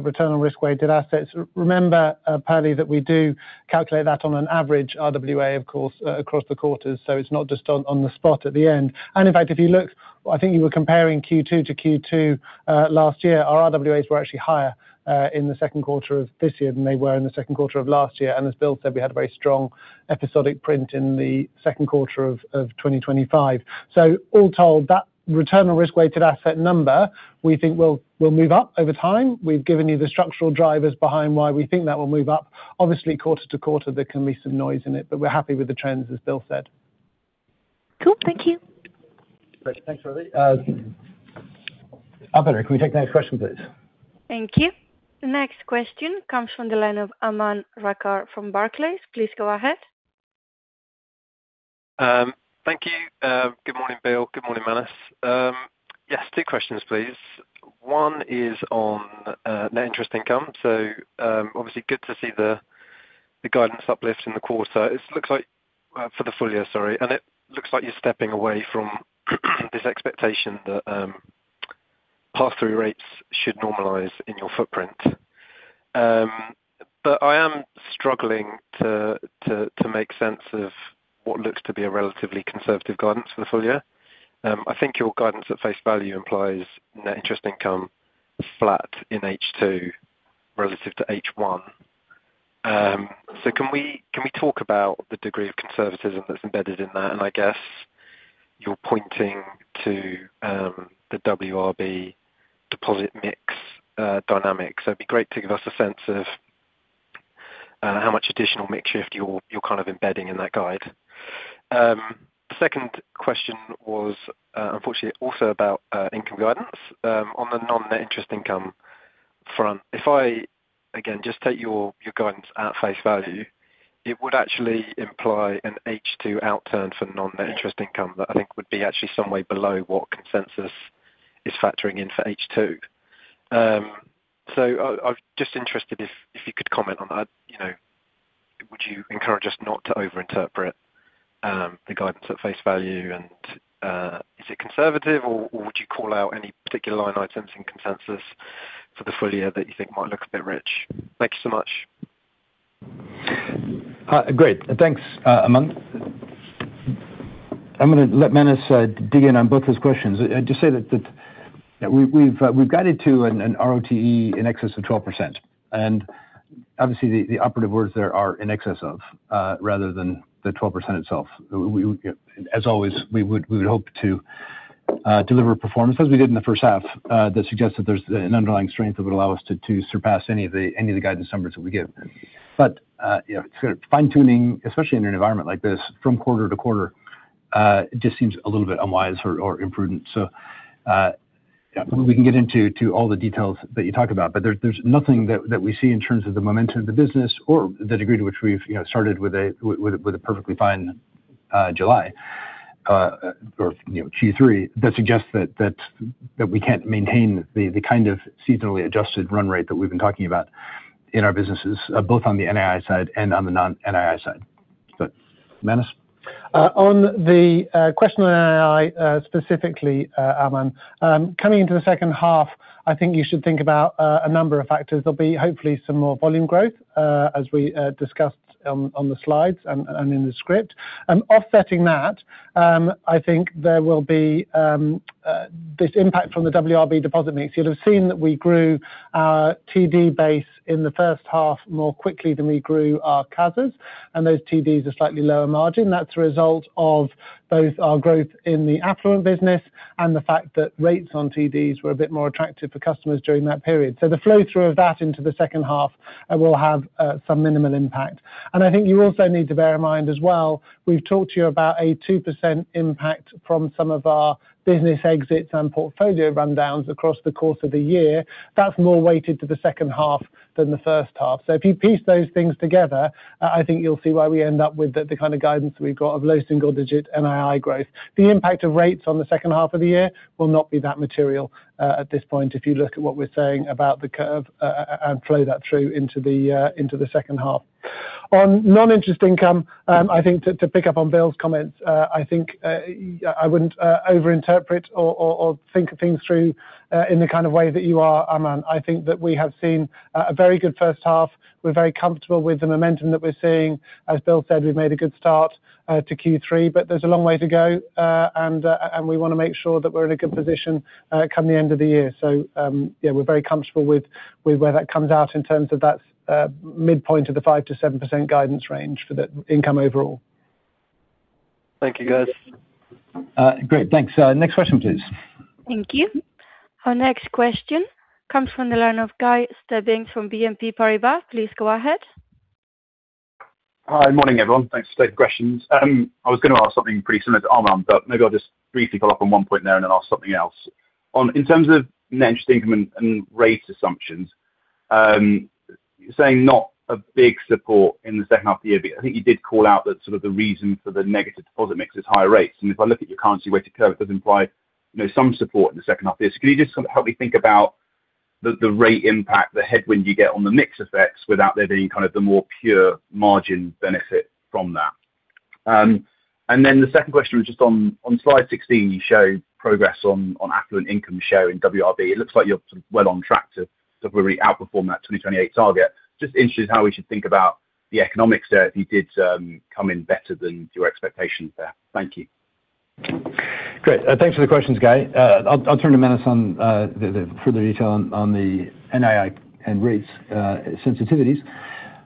return on risk-weighted assets. Remember, Perlie, that we do calculate that on an average RWA, of course, across the quarters, so it's not just on the spot at the end. In fact, if you look, I think you were comparing Q2 to Q2 last year. Our RWAs were actually higher in the second quarter of this year than they were in the second quarter of last year. As Bill said, we had a very strong episodic print in the second quarter of 2025. All told, that return on risk-weighted assets number, we think will move up over time. We've given you the structural drivers behind why we think that will move up. Obviously, quarter to quarter, there can be some noise in it, but we're happy with the trends, as Bill said. Cool. Thank you. Great. Thanks, Perlie. Operator, can we take the next question, please? Thank you. The next question comes from the line of Aman Rakkar from Barclays. Please go ahead. Thank you. Good morning, Bill. Good morning, Manus. Yes, two questions, please. One is on net interest income. Obviously good to see the guidance uplift in the quarter. It looks like for the full-year, sorry. It looks like you're stepping away from this expectation that pass-through rates should normalize in your footprint. I am struggling to make sense of what looks to be a relatively conservative guidance for the full-year. I think your guidance at face value implies net interest income flat in H2 relative to H1. Can we talk about the degree of conservatism that's embedded in that? I guess you're pointing to the WRB deposit mix dynamics. It'd be great to give us a sense of how much additional mix shift you're embedding in that guide. Second question was, unfortunately, also about income guidance. On the non-net interest income front. If I, again, just take your guidance at face value, it would actually imply an H2 outturn for non-net interest income that I think would be actually some way below what consensus is factoring in for H2. I'm just interested if you could comment on that. Would you encourage us not to over interpret the guidance at face value, and is it conservative, or would you call out any particular line items in consensus for the full-year that you think might look a bit rich? Thank you so much. Great. Thanks, Aman. I'm going to let Manus dig in on both those questions. I'll just say that we've guided to an RoTE in excess of 12%. Obviously the operative words there are in excess of, rather than the 12% itself. As always, we would hope to deliver performance as we did in the first half that suggests that there's an underlying strength that would allow us to surpass any of the guidance numbers that we give. Fine-tuning, especially in an environment like this from quarter to quarter, just seems a little bit unwise or imprudent. We can get into all the details that you talk about, there's nothing that we see in terms of the momentum of the business or the degree to which we've started with a perfectly fine July, or Q3, that suggests that we can't maintain the kind of seasonally adjusted run rate that we've been talking about in our businesses, both on the NII side and on the non-NII side. Manus. On the question on NII, specifically, Aman, coming into the second half, I think you should think about a number of factors. There'll be hopefully some more volume growth as we discussed on the slides and in the script. Offsetting that, I think there will be this impact from the WRB deposit mix. You'll have seen that we grew our TD base in the first half more quickly than we grew our CASA, and those TDs are slightly lower margin. That's a result of both our growth in the affluent business and the fact that rates on TDs were a bit more attractive for customers during that period. The flow-through of that into the second half will have some minimal impact. I think you also need to bear in mind as well, we've talked to you about a 2% impact from some of our business exits and portfolio rundowns across the course of the year. That's more weighted to the second half than the first half. If you piece those things together, I think you'll see why we end up with the kind of guidance that we've got of low single digit NII growth. The impact of rates on the second half of the year will not be that material at this point if you look at what we're saying about the curve and flow that through into the second half. On non-interest income, I think to pick up on Bill's comments, I think I wouldn't over-interpret or think things through in the kind of way that you are, Aman. I think that we have seen a very good first half. We're very comfortable with the momentum that we're seeing. As Bill said, we've made a good start to Q3, but there's a long way to go, and we want to make sure that we're in a good position come the end of the year. Yeah, we're very comfortable with where that comes out in terms of that midpoint of the 5%-7% guidance range for the income overall. Thank you, guys. Great. Thanks. Next question, please. Thank you. Our next question comes from the line of Guy Stebbings from BNP Paribas. Please go ahead. Hi. Morning, everyone. Thanks for taking the questions. I was going to ask something pretty similar to Aman, but maybe I'll just briefly follow up on one point there and then ask something else. In terms of net interest income and rates assumptions, you're saying not a big support in the second half of the year, but I think you did call out that sort of the reason for the negative deposit mix is higher rates. If I look at your currency weighted curve, does imply some support in the second half of this. Can you just help me think about the rate impact, the headwind you get on the mix effects without there being kind of the more pure margin benefit from that? The second question was just on slide 16, you showed progress on affluent income show in WRB. It looks like you're well on track to really outperform that 2028 target. Just interested how we should think about the economics there if you did come in better than your expectations there. Thank you. Great. Thanks for the questions, Guy. I'll turn to Manus on the further detail on the NII and rates sensitivities.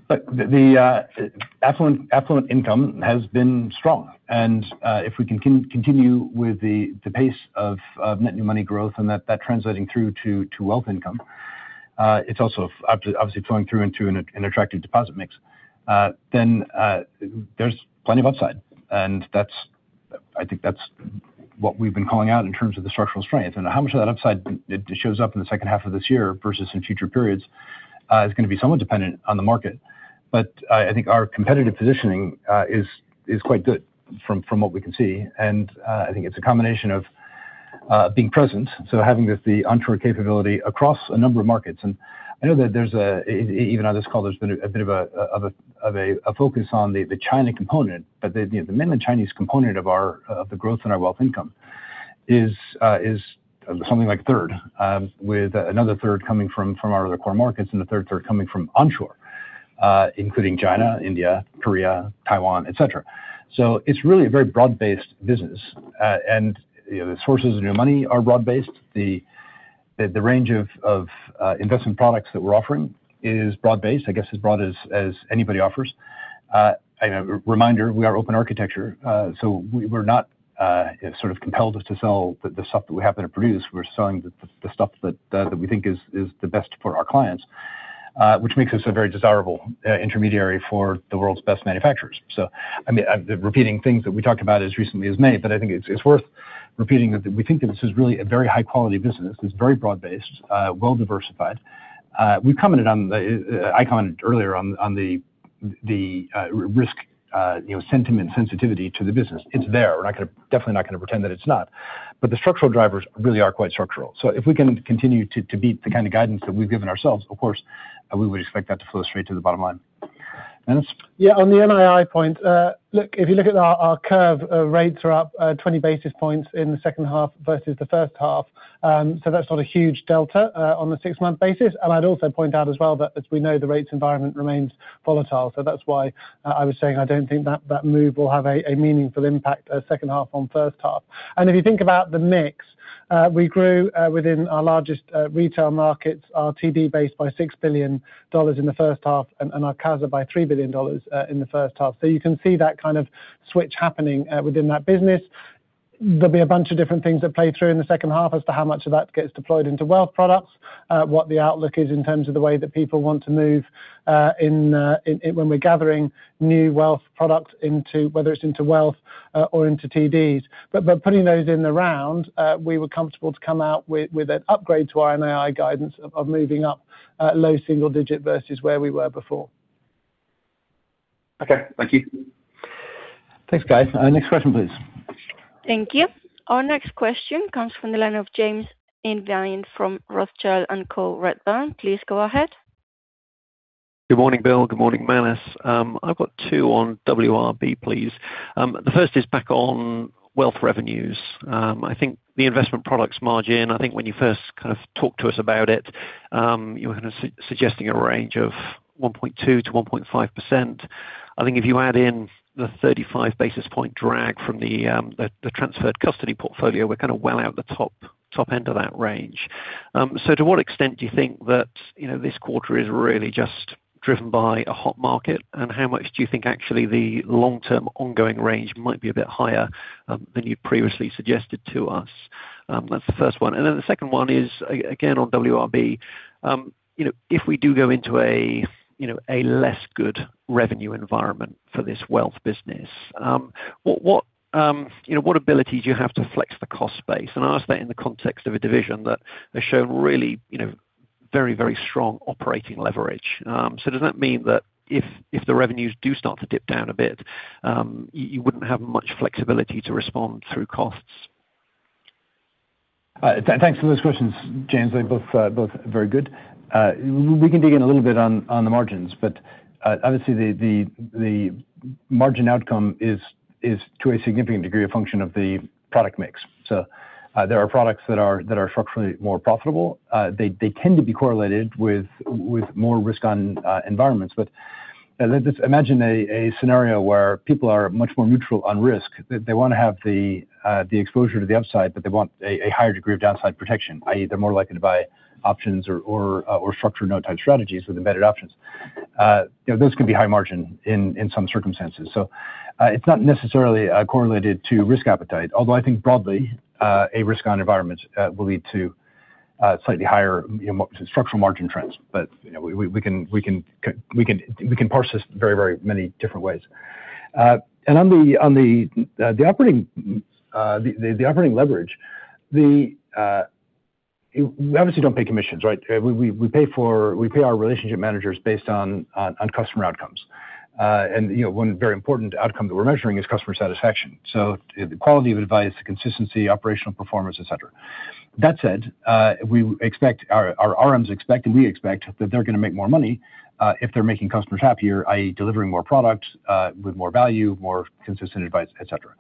But the affluent income has been strong. If we can continue with the pace of net new money growth and that translating through to wealth income, it's also obviously flowing through into an attractive deposit mix, then there's plenty of upside. I think that's what we've been calling out in terms of the structural strength. How much of that upside shows up in the second half of this year versus in future periods, is going to be somewhat dependent on the market. But I think our competitive positioning is quite good from what we can see. I think it's a combination of being present, so having the onshore capability across a number of markets. I know that even on this call, there's been a bit of a focus on the China component, but the mainland Chinese component of the growth in our wealth income is something like a third, with another third coming from our other core markets and the third coming from onshore including China, India, Korea, Taiwan, et cetera. It's really a very broad-based business. The sources of new money are broad-based. The range of investment products that we're offering is broad-based, I guess as broad as anybody offers. A reminder, we are open architecture, so we're not compelled to sell the stuff that we happen to produce. We're selling the stuff that we think is the best for our clients, which makes us a very desirable intermediary for the world's best manufacturers. I'm repeating things that we talked about as recently as May, but I think it's worth repeating that we think that this is really a very high-quality business. It's very broad-based, well-diversified. Al commented earlier on the risk sentiment sensitivity to the business. It's there. We're definitely not going to pretend that it's not. The structural drivers really are quite structural. If we can continue to beat the kind of guidance that we've given ourselves, of course, we would expect that to flow straight to the bottom line. Manus. On the NII point, look, if you look at our curve, rates are up 20 basis points in the second half versus the first half. That's not a huge delta on the six-month basis. I'd also point out as well that as we know, the rates environment remains volatile. That's why I was saying I don't think that that move will have a meaningful impact second half on first half. If you think about the mix, we grew within our largest retail markets, our TD base by $6 billion in the first half and our CASA by $3 billion in the first half. You can see that kind of switch happening within that business. There'll be a bunch of different things that play through in the second half as to how much of that gets deployed into wealth products, what the outlook is in terms of the way that people want to move when we're gathering new wealth products, whether it's into wealth or into TDs. Putting those in the round, we were comfortable to come out with an upgrade to our NII guidance of moving up low single digit versus where we were before. Okay. Thank you. Thanks, Guy. Next question, please. Thank you. Our next question comes from the line of James Invine from Rothschild & Co. Redburn. Please go ahead. Good morning, Bill. Good morning, Manus. I've got two on WRB, please. The first is back on wealth revenues. I think the investment products margin, I think when you first kind of talked to us about it, you were kind of suggesting a range of 1.2%-1.5%. I think if you add in the 35 basis point drag from the transferred custody portfolio, we're kind of well out the top end of that range. To what extent do you think that this quarter is really just driven by a hot market, and how much do you think actually the long-term ongoing range might be a bit higher than you previously suggested to us? That's the first one. The second one is, again, on WRB. If we do go into a less good revenue environment for this wealth business, what ability do you have to flex the cost base? I ask that in the context of a division that has shown really very strong operating leverage. Does that mean that if the revenues do start to dip down a bit, you wouldn't have much flexibility to respond through costs? Thanks for those questions, James. They're both very good. We can dig in a little bit on the margins, obviously the margin outcome is, to a significant degree, a function of the product mix. There are products that are structurally more profitable. They tend to be correlated with more risk on environments. Just imagine a scenario where people are much more neutral on risk. They want to have the exposure to the upside, but they want a higher degree of downside protection, i.e., they're more likely to buy options or structure note type strategies with embedded options. Those can be high margin in some circumstances. It's not necessarily correlated to risk appetite, although I think broadly, a risk on environments will lead to slightly higher structural margin trends. We can parse this very many different ways. On the operating leverage, we obviously don't pay commissions, right? We pay our relationship managers based on customer outcomes. One very important outcome that we're measuring is customer satisfaction. The quality of advice, the consistency, operational performance, et cetera. That said, our RMs expect, and we expect that they're going to make more money if they're making customers happier, i.e., delivering more product with more value, more consistent advice, et cetera.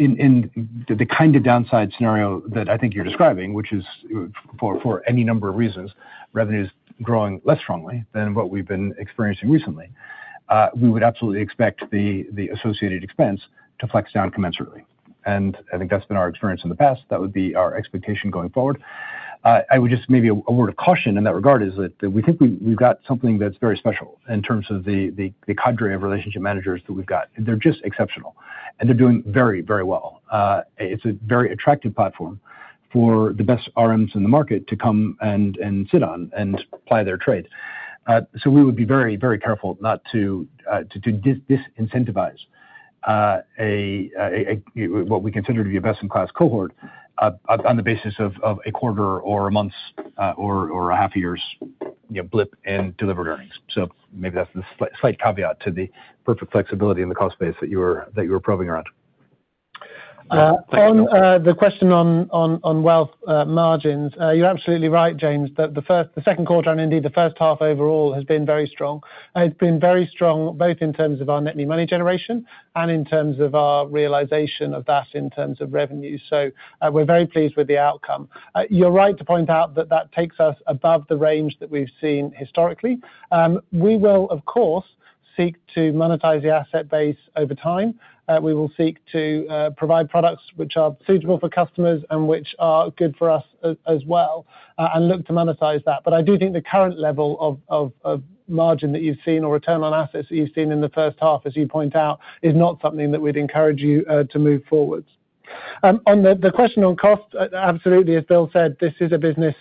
In the kind of downside scenario that I think you're describing, which is for any number of reasons, revenue's growing less strongly than what we've been experiencing recently. We would absolutely expect the associated expense to flex down commensurately. I think that's been our experience in the past. That would be our expectation going forward. I would just maybe a word of caution in that regard is that we think we've got something that's very special in terms of the cadre of relationship managers that we've got. They're just exceptional, and they're doing very well. It's a very attractive platform for the best RMs in the market to come and sit on and ply their trade. We would be very careful not to disincentivize what we consider to be a best-in-class cohort on the basis of a quarter or a month's or a half a year's blip in delivered earnings. Maybe that's the slight caveat to the perfect flexibility in the cost base that you were probing around. On the question on wealth margins, you're absolutely right, James, that the second quarter and indeed the first half overall has been very strong. It's been very strong both in terms of our net new money generation and in terms of our realization of that in terms of revenue. We're very pleased with the outcome. You're right to point out that that takes us above the range that we've seen historically. We will, of course, seek to monetize the asset base over time. We will seek to provide products which are suitable for customers and which are good for us as well and look to monetize that. I do think the current level of margin that you've seen or return on assets that you've seen in the first half, as you point out, is not something that we'd encourage you to move forward. On the question on cost, absolutely. As Bill said, this is a business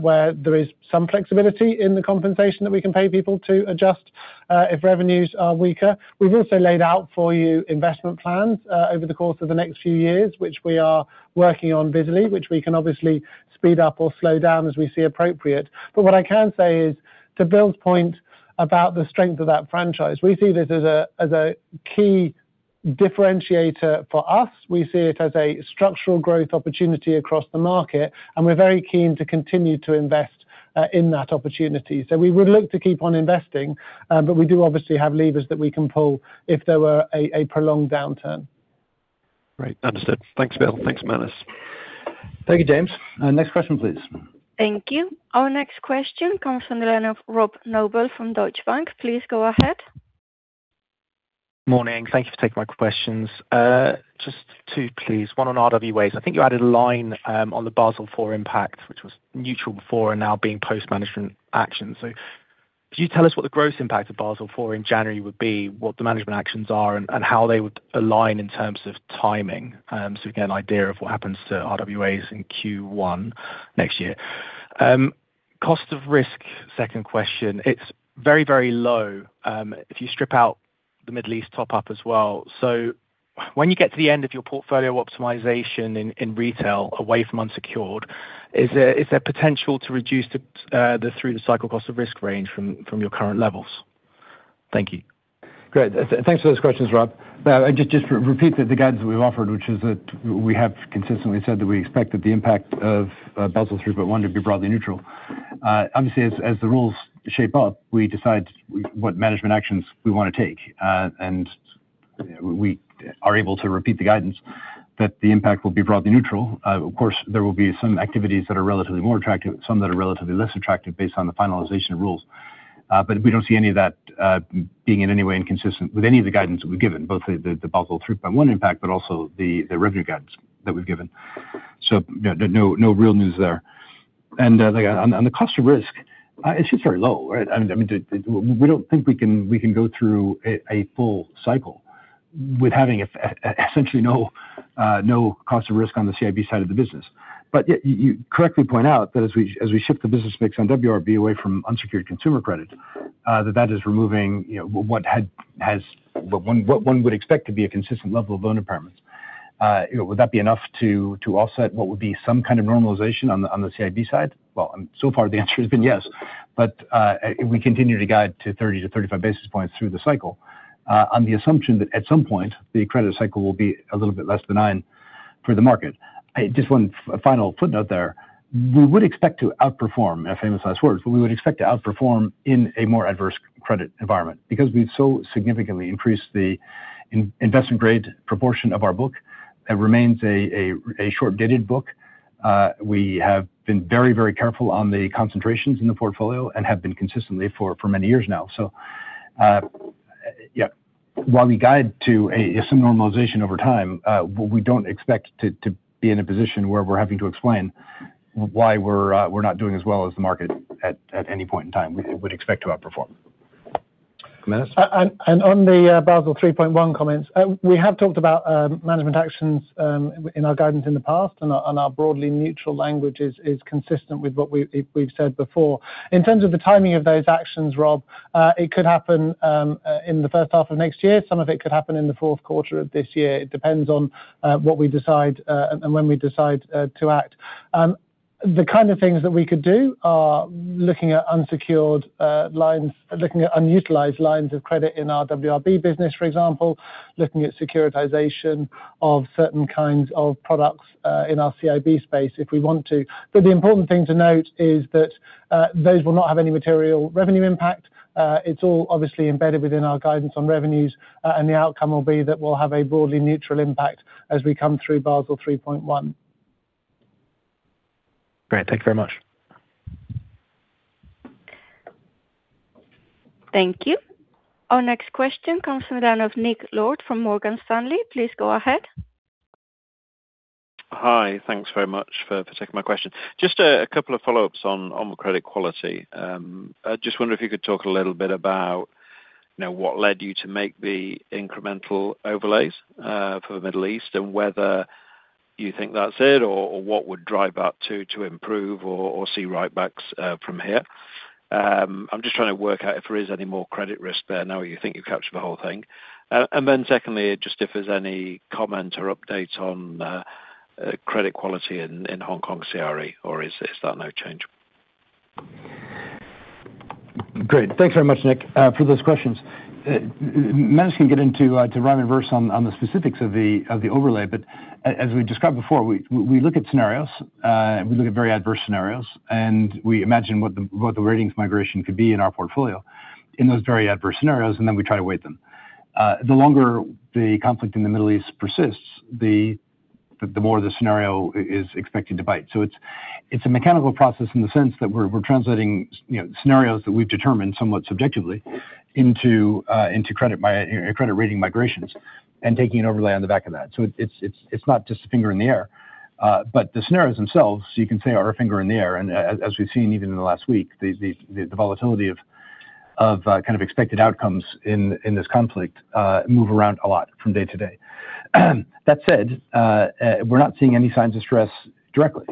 where there is some flexibility in the compensation that we can pay people to adjust if revenues are weaker. We've also laid out for you investment plans over the course of the next few years, which we are working on busily, which we can obviously speed up or slow down as we see appropriate. What I can say is, to Bill's point about the strength of that franchise, we see this as a key differentiator for us. We see it as a structural growth opportunity across the market, and we're very keen to continue to invest in that opportunity. We would look to keep on investing, but we do obviously have levers that we can pull if there were a prolonged downturn. Great. Understood. Thanks, Bill. Thanks, Manus. Thank you, James. Next question, please. Thank you. Our next question comes from the line of Rob Noble from Deutsche Bank. Please go ahead. Morning. Thank you for taking my questions. Just two, please. One on RWAs. I think you added a line on the Basel IV impact, which was neutral before and now being post management action. Could you tell us what the gross impact of Basel IV in January would be, what the management actions are, and how they would align in terms of timing? We get an idea of what happens to RWAs in Q1 next year. Cost of risk, second question. It's very low if you strip out the Middle East top up as well. When you get to the end of your portfolio optimization in retail away from unsecured, is there potential to reduce the through the cycle cost of risk range from your current levels? Thank you. Great. Thanks for those questions, Rob. Just to repeat the guidance that we've offered, which is that we have consistently said that we expect that the impact of Basel 3.1 to be broadly neutral. As the rules shape up, we decide what management actions we want to take. We are able to repeat the guidance that the impact will be broadly neutral. There will be some activities that are relatively more attractive, some that are relatively less attractive based on the finalization of rules. We don't see any of that being in any way inconsistent with any of the guidance that we've given, both the Basel 3.1 impact, but also the revenue guidance that we've given. No real news there. On the cost of risk, it's just very low, right? We don't think we can go through a full cycle with having essentially no cost of risk on the CIB side of the business. You correctly point out that as we shift the business mix on WRB away from unsecured consumer credit, that that is removing what one would expect to be a consistent level of loan impairments. Would that be enough to offset what would be some kind of normalization on the CIB side? So far the answer has been yes. We continue to guide to 30-35 basis points through the cycle. On the assumption that at some point the credit cycle will be a little bit less benign for the market. Just one final footnote there. We would expect to outperform, a famous last words, we would expect to outperform in a more adverse credit environment because we've so significantly increased the investment grade proportion of our book. It remains a short-dated book. We have been very careful on the concentrations in the portfolio and have been consistently for many years now. While we guide to some normalization over time, we don't expect to be in a position where we're having to explain why we're not doing as well as the market at any point in time. We would expect to outperform. Manus. On the Basel 3.1 comments, we have talked about management actions in our guidance in the past, and our broadly neutral language is consistent with what we've said before. In terms of the timing of those actions, Rob, it could happen in the first half of next year. Some of it could happen in the fourth quarter of this year. It depends on what we decide, and when we decide to act. The kind of things that we could do are looking at unsecured lines, looking at unutilized lines of credit in our WRB business for example. Looking at securitization of certain kinds of products in our CIB space if we want to. The important thing to note is that those will not have any material revenue impact. It's all obviously embedded within our guidance on revenues, the outcome will be that we'll have a broadly neutral impact as we come through Basel 3.1. Great. Thank you very much. Thank you. Our next question comes from the line of Nick Lord from Morgan Stanley. Please go ahead. Hi. Thanks very much for taking my question. Just a couple of follow-ups on credit quality. I just wonder if you could talk a little bit about what led you to make the incremental overlays for the Middle East, and whether you think that's it, or what would drive that to improve or see write backs from here. I'm just trying to work out if there is any more credit risk there now, or you think you captured the whole thing. Secondly, just if there's any comment or update on credit quality in Hong Kong CRE, or is that no change? Great. Thanks very much, Nick, for those questions. Manus can get into right and verse on the specifics of the overlay. As we described before, we look at scenarios. We look at very adverse scenarios, and we imagine what the ratings migration could be in our portfolio in those very adverse scenarios, and then we try to weight them. The longer the conflict in the Middle East persists, the more the scenario is expected to bite. It's a mechanical process in the sense that we're translating scenarios that we've determined somewhat subjectively into credit rating migrations and taking an overlay on the back of that. It's not just a finger in the air. The scenarios themselves, you can say, are a finger in the air. As we've seen even in the last week, the volatility of expected outcomes in this conflict move around a lot from day to day. That said, we're not seeing any signs of stress directly.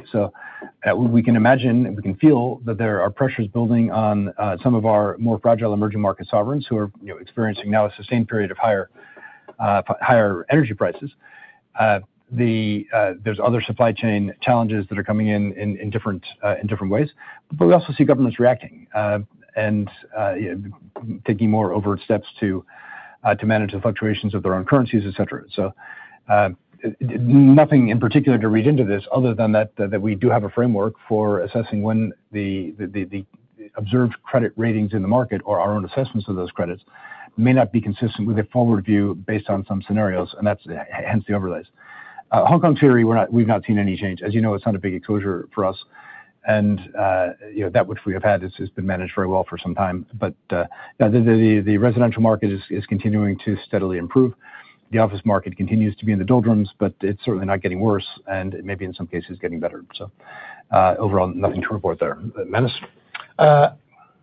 We can imagine and we can feel that there are pressures building on some of our more fragile emerging market sovereigns who are experiencing now a sustained period of higher energy prices. There's other supply chain challenges that are coming in different ways. We also see governments reacting, and taking more overt steps to manage the fluctuations of their own currencies, et cetera. Nothing in particular to read into this other than that we do have a framework for assessing when the observed credit ratings in the market or our own assessments of those credits may not be consistent with a forward view based on some scenarios. Hence the overlays. Hong Kong CRE, we've not seen any change. As you know, it's not a big exposure for us, and that which we have had has been managed very well for some time. The residential market is continuing to steadily improve. The office market continues to be in the doldrums, but it's certainly not getting worse, and it may be, in some cases, getting better. Overall, nothing to report there. Manus.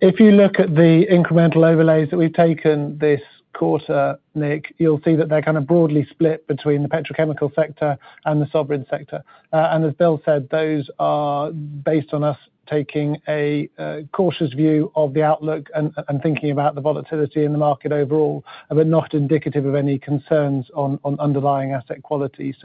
If you look at the incremental overlays that we've taken this quarter, Nick, you'll see that they're broadly split between the petrochemical sector and the sovereign sector. As Bill said, those are based on us taking a cautious view of the outlook and thinking about the volatility in the market overall, but not indicative of any concerns on underlying asset quality.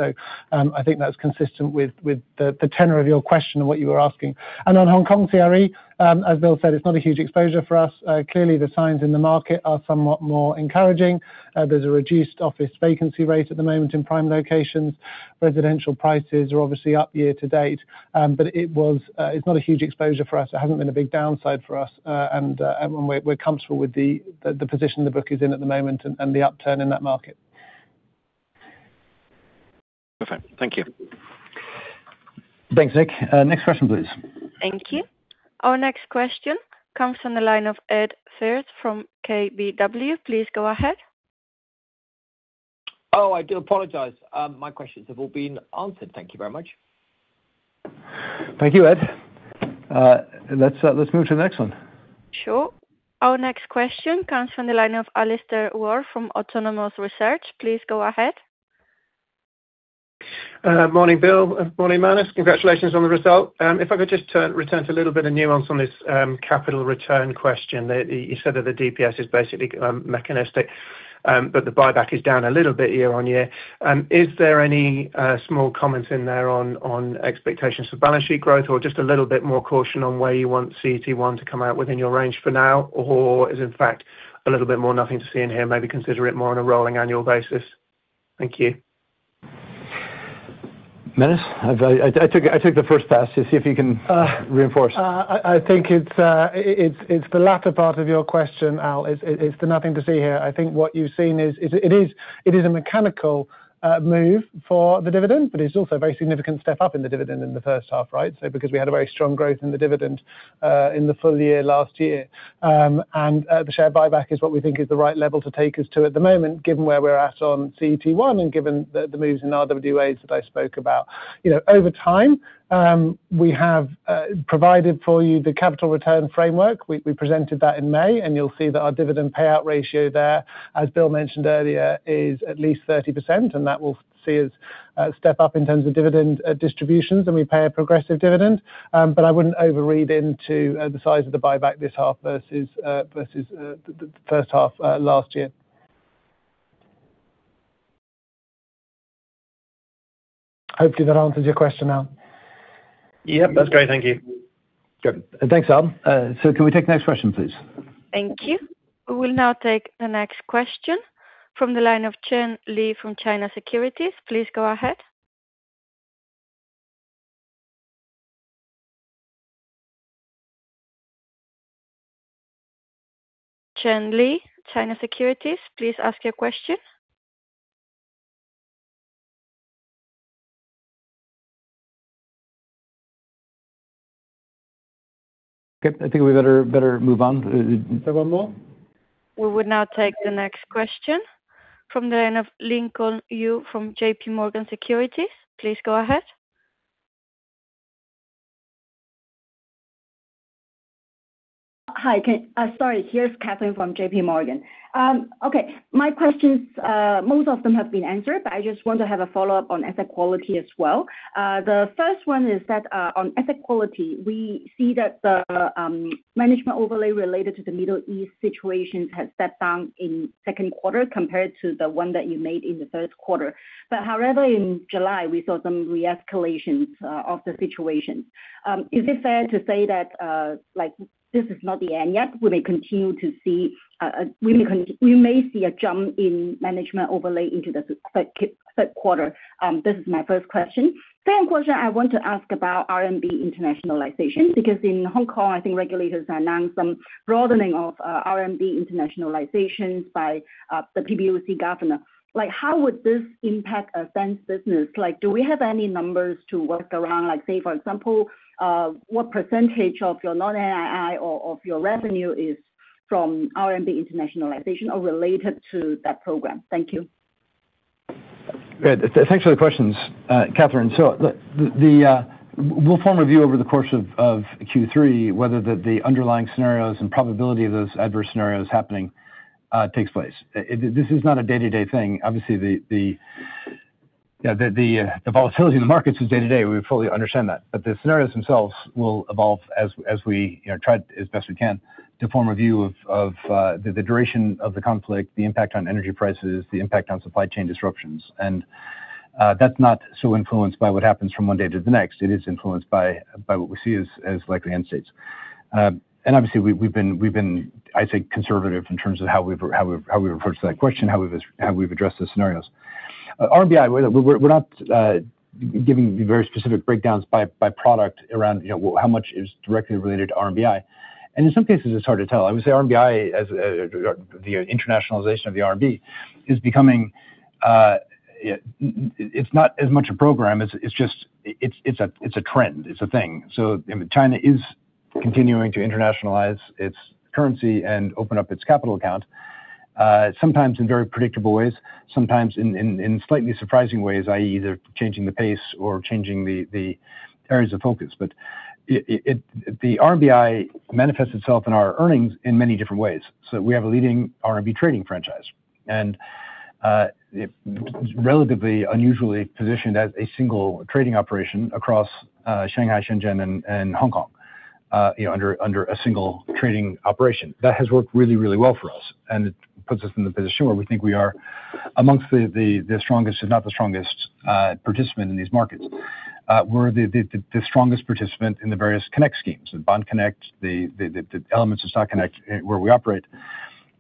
I think that's consistent with the tenor of your question and what you were asking. On Hong Kong CRE, as Bill said, it's not a huge exposure for us. Clearly, the signs in the market are somewhat more encouraging. There's a reduced office vacancy rate at the moment in prime locations. Residential prices are obviously up year to date. It's not a huge exposure for us. It hasn't been a big downside for us, and we're comfortable with the position the book is in at the moment and the upturn in that market. Perfect. Thank you. Thanks, Nick. Next question, please. Thank you. Our next question comes from the line of Ed Firth from KBW. Please go ahead. Oh, I do apologize. My questions have all been answered. Thank you very much. Thank you, Ed. Let's move to the next one. Sure. Our next question comes from the line of Alastair Warr from Autonomous Research. Please go ahead. Morning, Bill. Morning, Manus. Congratulations on the result. If I could just return to a little bit of nuance on this capital return question. You said that the DPS is basically mechanistic, but the buyback is down a little bit year on year. Is there any small comment in there on expectations for balance sheet growth or just a little bit more caution on where you want CET1 to come out within your range for now? Is it in fact a little bit more nothing to see in here, maybe consider it more on a rolling annual basis? Thank you. Manus? I took the first pass to see if you can reinforce. I think it's the latter part of your question, Al. It's the nothing to see here. I think what you've seen is, it is a mechanical move for the dividend, but it's also a very significant step up in the dividend in the first half, right? Because we had a very strong growth in the dividend in the full-year last year. The share buyback is what we think is the right level to take us to at the moment, given where we're at on CET1, and given the moves in RWAs that I spoke about. Over time, we have provided for you the capital return framework. We presented that in May. You'll see that our dividend payout ratio there, as Bill mentioned earlier, is at least 30%, and that will see us step up in terms of dividend distributions, and we pay a progressive dividend. I wouldn't overread into the size of the buyback this half versus the first half last year. Hopefully that answers your question, Al. Yep, that's great. Thank you. Good. Thanks, Al. Can we take the next question, please? Thank you. We will now take the next question from the line of Chen Li from China Securities. Please go ahead. Chen Li, China Securities, please ask your question. Okay. I think we better move on. Is there one more? We would now take the next question from the line of Lincoln Yu from JPMorgan Securities. Please go ahead. Hi, Sorry, here's Catherine from JPMorgan. Okay. My questions, most of them have been answered, but I just want to have a follow-up on asset quality as well. The first one is that, on asset quality, we see that the management overlay related to the Middle East situation has stepped down in second quarter compared to the one that you made in the first quarter. However, in July, we saw some re-escalations of the situation. Is it fair to say that this is not the end yet? We may see a jump in management overlay into the third quarter. This is my first question. Second question, I want to ask about RMB Internationalisation, because in Hong Kong, I think regulators announced some broadening of RMB Internationalisation by the PBOC governor. How would this impact a bank's business? Do we have any numbers to work around, say for example, what percentage of your non-NII or of your revenue is from RMB Internationalisation or related to that program? Thank you. Great. Thanks for the questions, Catherine. We'll form a view over the course of Q3, whether the underlying scenarios and probability of those adverse scenarios happening takes place. This is not a day-to-day thing. Obviously, the volatility in the markets is day to day. We fully understand that. The scenarios themselves will evolve as we try as best we can to form a view of the duration of the conflict, the impact on energy prices, the impact on supply chain disruptions. That's not so influenced by what happens from one day to the next. It is influenced by what we see as likely end states. Obviously, we've been, I'd say, conservative in terms of how we refer to that question, how we've addressed the scenarios. RMBI, we're not giving very specific breakdowns by product around how much is directly related to RMBI. In some cases, it's hard to tell. Obviously, RMBI, the internationalisation of the RMB, it's not as much a program, it's a trend. It's a thing. China is continuing to internationalize its currency and open up its capital account, sometimes in very predictable ways, sometimes in slightly surprising ways, i.e., either changing the pace or changing the areas of focus. The RMBI manifests itself in our earnings in many different ways. We have a leading RMB trading franchise. It's relatively unusually positioned as a single trading operation across Shanghai, Shenzhen, and Hong Kong under a single trading operation. That has worked really well for us, and it puts us in a position where we think we are amongst the strongest, if not the strongest, participant in these markets. We're the strongest participant in the various connect schemes, the Bond Connect, the elements of Stock Connect, where we operate.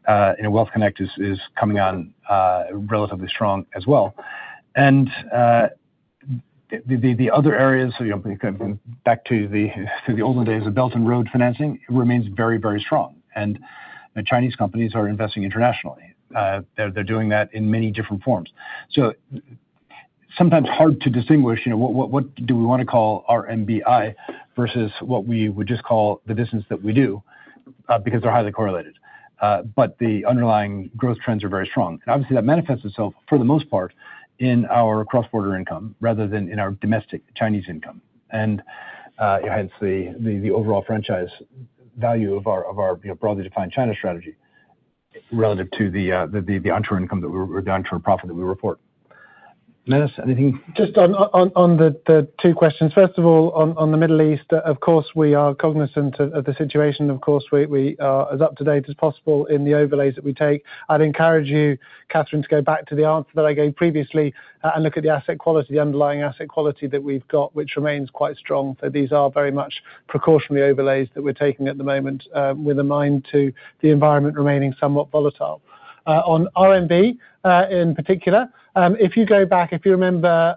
Wealth Connect is coming on relatively strong as well. The other areas, back to the olden days of Belt and Road financing, remains very strong. Chinese companies are investing internationally. They're doing that in many different forms. Sometimes hard to distinguish, what do we want to call RMBI versus what we would just call the business that we do, because they're highly correlated. The underlying growth trends are very strong. Obviously, that manifests itself, for the most part, in our cross-border income rather than in our domestic Chinese income. Hence, the overall franchise value of our broadly defined China strategy relative to the onshore profit that we report. Manus, anything? Just on the two questions. First of all, on the Middle East, of course, we are cognizant of the situation. Of course, we are as up to date as possible in the overlays that we take. I'd encourage you, Catherine, to go back to the answer that I gave previously and look at the asset quality, underlying asset quality that we've got, which remains quite strong. These are very much precautionary overlays that we're taking at the moment with a mind to the environment remaining somewhat volatile. On RMB, in particular, if you go back, if you remember,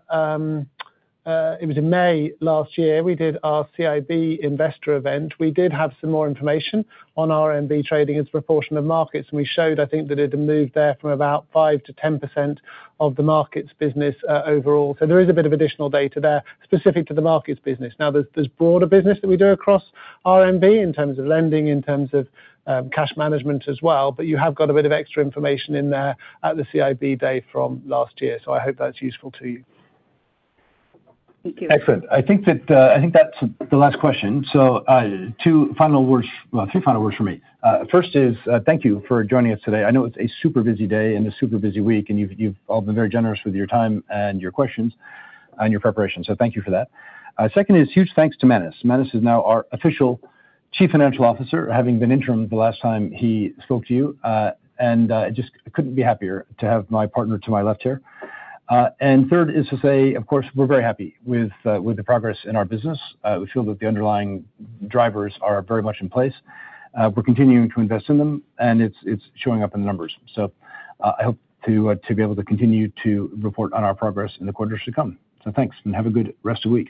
it was in May last year, we did our CIB Investor Event. We did have some more information on RMB trading as a proportion of markets, and we showed, I think, that it had moved there from about 5%-10% of the markets business overall. There is a bit of additional data there specific to the markets business. There's broader business that we do across RMB in terms of lending, in terms of cash management as well, but you have got a bit of extra information in there at the CIB day from last year. I hope that's useful to you. Thank you. Excellent. I think that's the last question. Three final words from me. First is, thank you for joining us today. I know it's a super busy day and a super busy week, and you've all been very generous with your time and your questions and your preparation. Thank you for that. Second is huge thanks to Manus. Manus is now our official Chief Financial Officer, having been interim the last time he spoke to you. I just couldn't be happier to have my partner to my left here. Third is to say, of course, we're very happy with the progress in our business. We feel that the underlying drivers are very much in place. We're continuing to invest in them, and it's showing up in the numbers. I hope to be able to continue to report on our progress in the quarters to come. Thanks, and have a good rest of week.